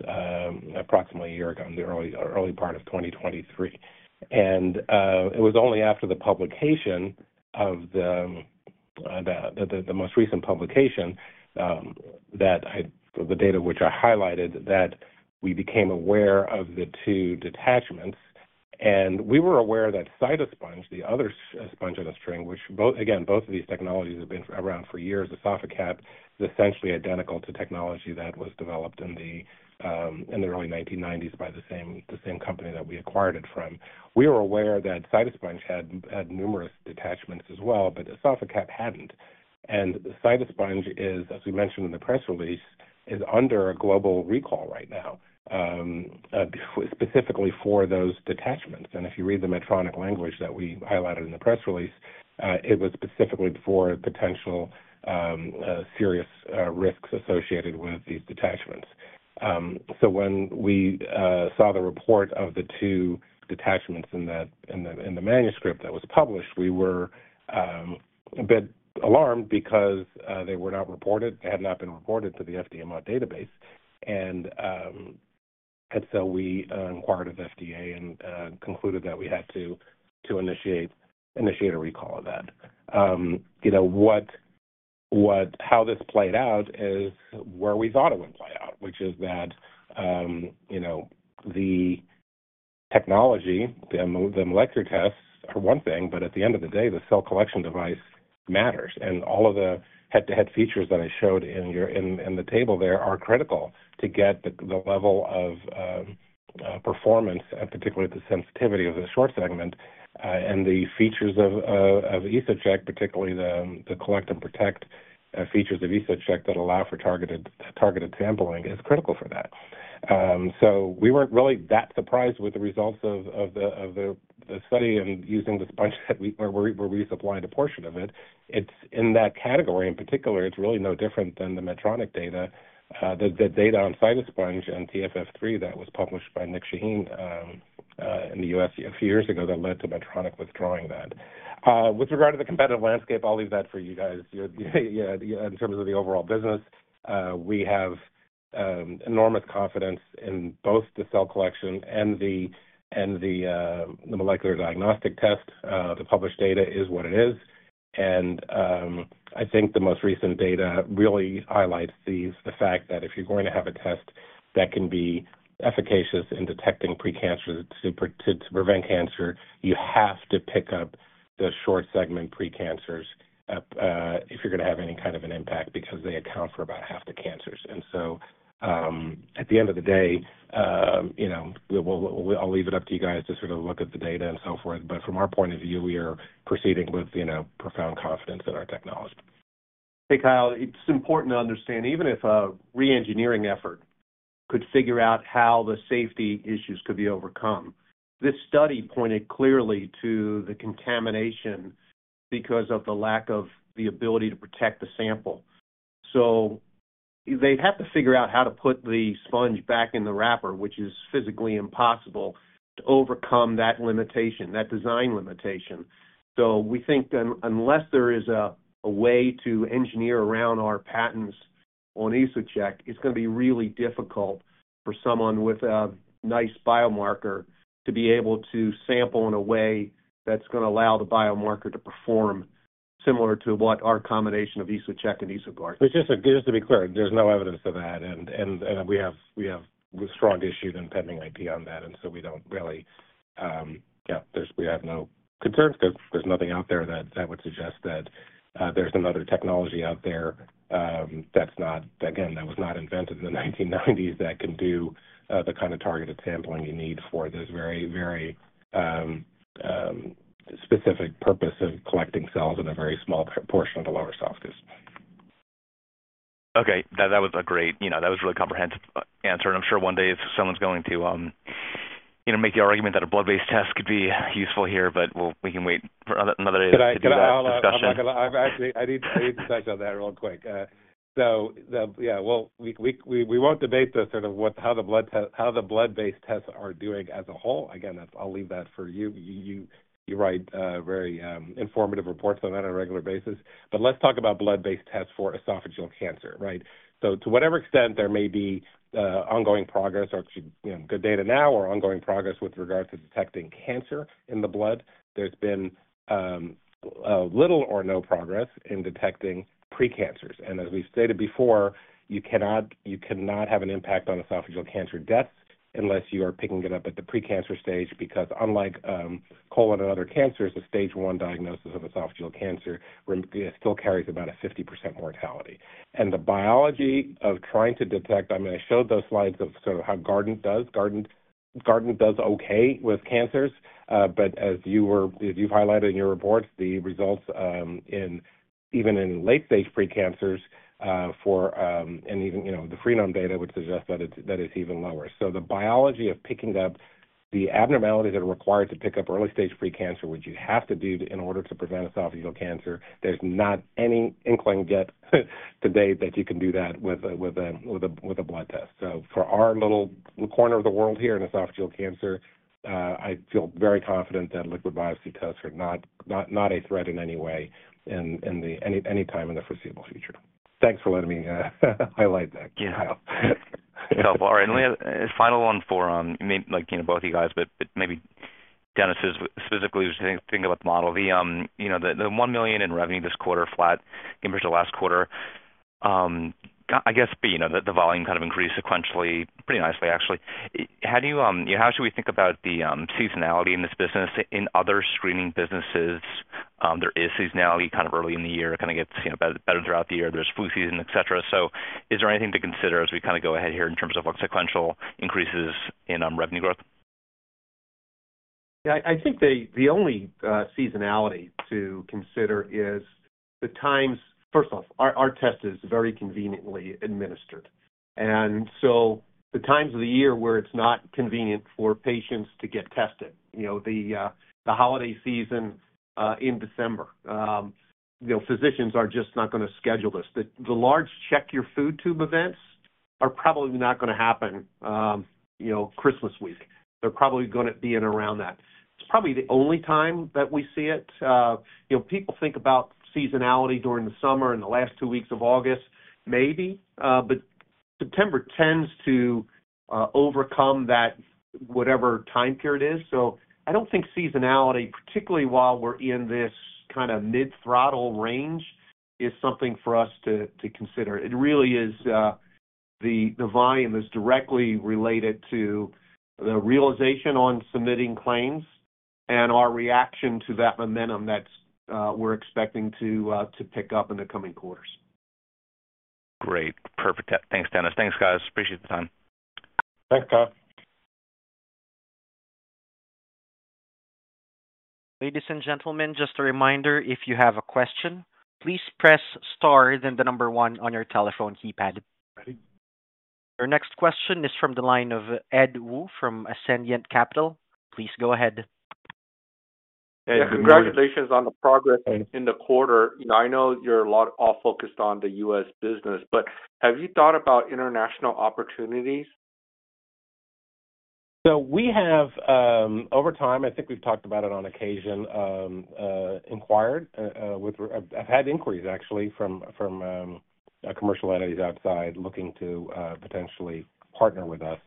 approximately a year ago, in the early part of 2023. It was only after the publication of the most recent publication that the data which I highlighted, that we became aware of the two detachments. We were aware that Cytosponge, the other sponge and the string, which again, both of these technologies have been around for years, EsophaCap is essentially identical to technology that was developed in the early 1990s by the same company that we acquired it from. We were aware that Cytosponge had numerous detachments as well, but EsophaCap hadn't. Cytosponge is, as we mentioned in the press release, under a global recall right now, specifically for those detachments. If you read the Medtronic language that we highlighted in the press release, it was specifically for potential serious risks associated with these detachments. So when we saw the report of the two detachments in the manuscript that was published, we were a bit alarmed because they were not reported. They had not been reported to the FDA database. So we inquired with the FDA and concluded that we had to initiate a recall of that. How this played out is where we thought it would play out, which is that the technology, the molecular tests, are one thing, but at the end of the day, the cell collection device matters. All of the head-to-head features that I showed in the table there are critical to get the level of performance, particularly the sensitivity of the short segment. The features of EsoCheck, particularly the Collect+Protect features of EsoCheck that allow for targeted sampling, is critical for that. So we weren't really that surprised with the results of the study and using the sponge where we supplied a portion of it. In that category in particular, it's really no different than the Medtronic data, the data on Cytosponge and TFF-3 that was published by Nick Shaheen in the U.S. a few years ago that led to Medtronic withdrawing that. With regard to the competitive landscape, I'll leave that for you guys. In terms of the overall business, we have enormous confidence in both the cell collection and the molecular diagnostic test. The published data is what it is. I think the most recent data really highlights the fact that if you're going to have a test that can be efficacious in detecting precancer to prevent cancer, you have to pick up the short-segment precancers if you're going to have any kind of an impact because they account for about half the cancers. At the end of the day, I'll leave it up to you guys to sort of look at the data and so forth. From our point of view, we are proceeding with profound confidence in our technology. Hey, Kyle. It's important to understand, even if a re-engineering effort could figure out how the safety issues could be overcome, this study pointed clearly to the contamination because of the lack of the ability to protect the sample. So they'd have to figure out how to put the sponge back in the wrapper, which is physically impossible, to overcome that design limitation. So we think unless there is a way to engineer around our patents on EsoCheck, it's going to be really difficult for someone with a nice biomarker to be able to sample in a way that's going to allow the biomarker to perform similar to what our combination of EsoCheck and EsoGuard does. Just to be clear, there's no evidence of that, and we have strong issued and pending IP on that. And so we don't really, we have no concerns because there's nothing out there that would suggest that there's another technology out there that's not again, that was not invented in the 1990s that can do the kind of targeted sampling you need for this very, very specific purpose of collecting cells in a very small portion of the lower esophagus. Okay. That was a really comprehensive answer. I'm sure one day, if someone's going to make the argument that a blood-based test could be useful here, but we can wait for another day to do that discussion. I need to touch on that real quick. So yeah, well, we won't debate sort of how the blood-based tests are doing as a whole. Again, I'll leave that for you. You write very informative reports on that on a regular basis. But let's talk about blood-based tests for esophageal cancer, right? So to whatever extent there may be ongoing progress or good data now or ongoing progress with regard to detecting cancer in the blood, there's been little or no progress in detecting precancers. And as we've stated before, you cannot have an impact on esophageal cancer deaths unless you are picking it up at the precancer stage because unlike colon and other cancers, the stage I diagnosis of esophageal cancer still carries about a 50% mortality. And the biology of trying to detect I mean, I showed those slides of sort of how Guardant does. Guardant does okay with cancers. But as you've highlighted in your reports, the results even in late-stage precancers for Guardant and even the Freenome data, which suggests that it's even lower. So the biology of picking up the abnormalities that are required to pick up early-stage precancer, which you have to do in order to prevent esophageal cancer, there's not any inkling yet today that you can do that with a blood test. So for our little corner of the world here in esophageal cancer, I feel very confident that liquid biopsy tests are not a threat in any way anytime in the foreseeable future. Thanks for letting me highlight that, Kyle. Helpful. All right. We have a final one for both of you guys, but maybe Dennis specifically was thinking about the model. The $1 million in revenue this quarter, flat compared to last quarter. I guess the volume kind of increased sequentially pretty nicely, actually. How should we think about the seasonality in this business? In other screening businesses, there is seasonality kind of early in the year. It kind of gets better throughout the year. There's flu season, etc. Is there anything to consider as we kind of go ahead here in terms of sequential increases in revenue growth? Yeah. I think the only seasonality to consider is the times. First off, our test is very conveniently administered. And so the times of the year where it's not convenient for patients to get tested, the holiday season in December, physicians are just not going to schedule this. The large Check Your Food Tube events are probably not going to happen Christmas week. They're probably going to be in around that. It's probably the only time that we see it. People think about seasonality during the summer and the last two weeks of August, maybe, but September tends to overcome that whatever time period is. So I don't think seasonality, particularly while we're in this kind of mid-throttle range, is something for us to consider. It really is. The volume is directly related to the realization on submitting claims and our reaction to that momentum that we're expecting to pick up in the coming quarters. Great. Perfect. Thanks, Dennis. Thanks, guys. Appreciate the time. Thanks, Kyle. Ladies and gentlemen, just a reminder, if you have a question, please press star then the number one on your telephone keypad. Your next question is from the line of Ed Woo from Ascendiant Capital. Please go ahead. Yeah. Congratulations on the progress in the quarter. I know you're all focused on the U.S. business, but have you thought about international opportunities? So we have, over time I think we've talked about it on occasion, inquired with. I've had inquiries, actually, from commercial entities outside looking to potentially partner with us.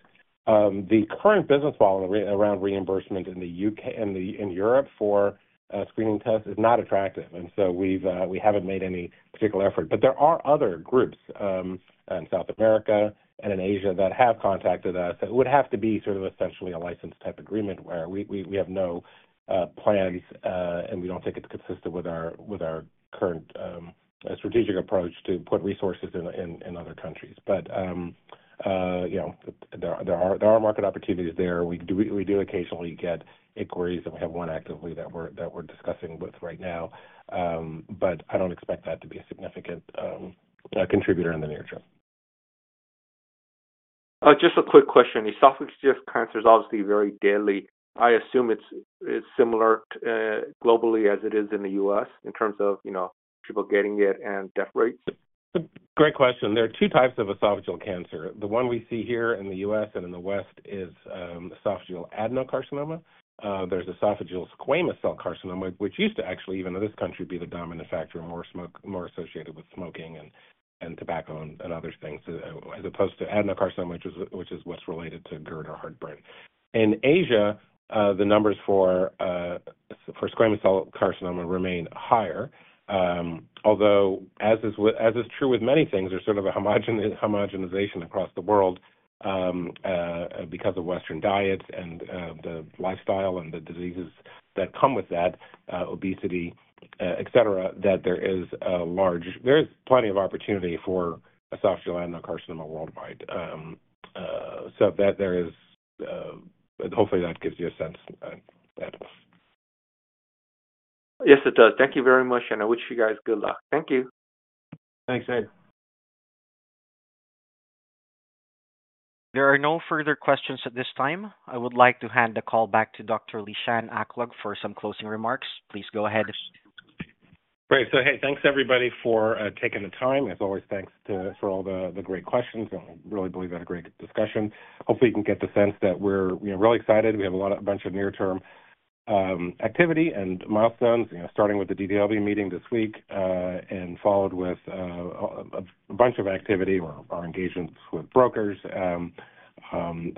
The current business model around reimbursement in Europe for screening tests is not attractive. And so we haven't made any particular effort. But there are other groups in South America and in Asia that have contacted us. It would have to be sort of essentially a licensed type agreement where we have no plans, and we don't think it's consistent with our current strategic approach to put resources in other countries. But there are market opportunities there. We do occasionally get inquiries, and we have one actively that we're discussing with right now. But I don't expect that to be a significant contributor in the near term. Just a quick question. Esophageal cancer is obviously very deadly. I assume it's similar globally as it is in the U.S. in terms of people getting it and death rates. Great question. There are two types of esophageal cancer. The one we see here in the U.S. and in the West is Esophageal Adenocarcinoma. There's Esophageal Squamous Cell Carcinoma, which used to actually, even in this country, be the dominant factor and more associated with smoking and tobacco and other things as opposed to adenocarcinoma, which is what's related to GERD or heartburn. In Asia, the numbers for squamous cell carcinoma remain higher. Although, as is true with many things, there's sort of a homogenization across the world because of Western diets and the lifestyle and the diseases that come with that, obesity, etc., that there is plenty of opportunity for Esophageal Adenocarcinoma worldwide. So hopefully, that gives you a sense. Yes, it does. Thank you very much, and I wish you guys good luck. Thank you. Thanks, Ed. There are no further questions at this time. I would like to hand the call back to Dr. Lishan Aklog for some closing remarks. Please go ahead. Great. So hey, thanks, everybody, for taking the time. As always, thanks for all the great questions. I really believe we had a great discussion. Hopefully, you can get the sense that we're really excited. We have a bunch of near-term activity and milestones, starting with the DDLB meeting this week and followed with a bunch of activity or engagements with brokers, the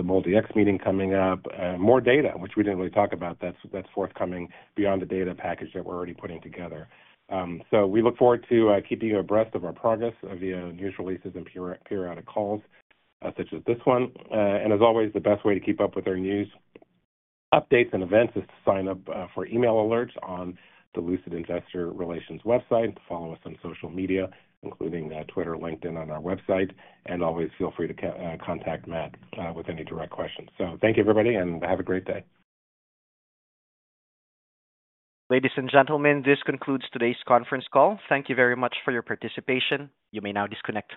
MolDX meeting coming up, more data, which we didn't really talk about. That's forthcoming beyond the data package that we're already putting together. So we look forward to keeping you abreast of our progress via news releases and periodic calls such as this one. As always, the best way to keep up with our news updates and events is to sign up for email alerts on the Lucid Investor Relations website, follow us on social media, including Twitter, LinkedIn, on our website, and always feel free to contact Matt with any direct questions. Thank you, everybody, and have a great day. Ladies and gentlemen, this concludes today's conference call. Thank you very much for your participation. You may now disconnect.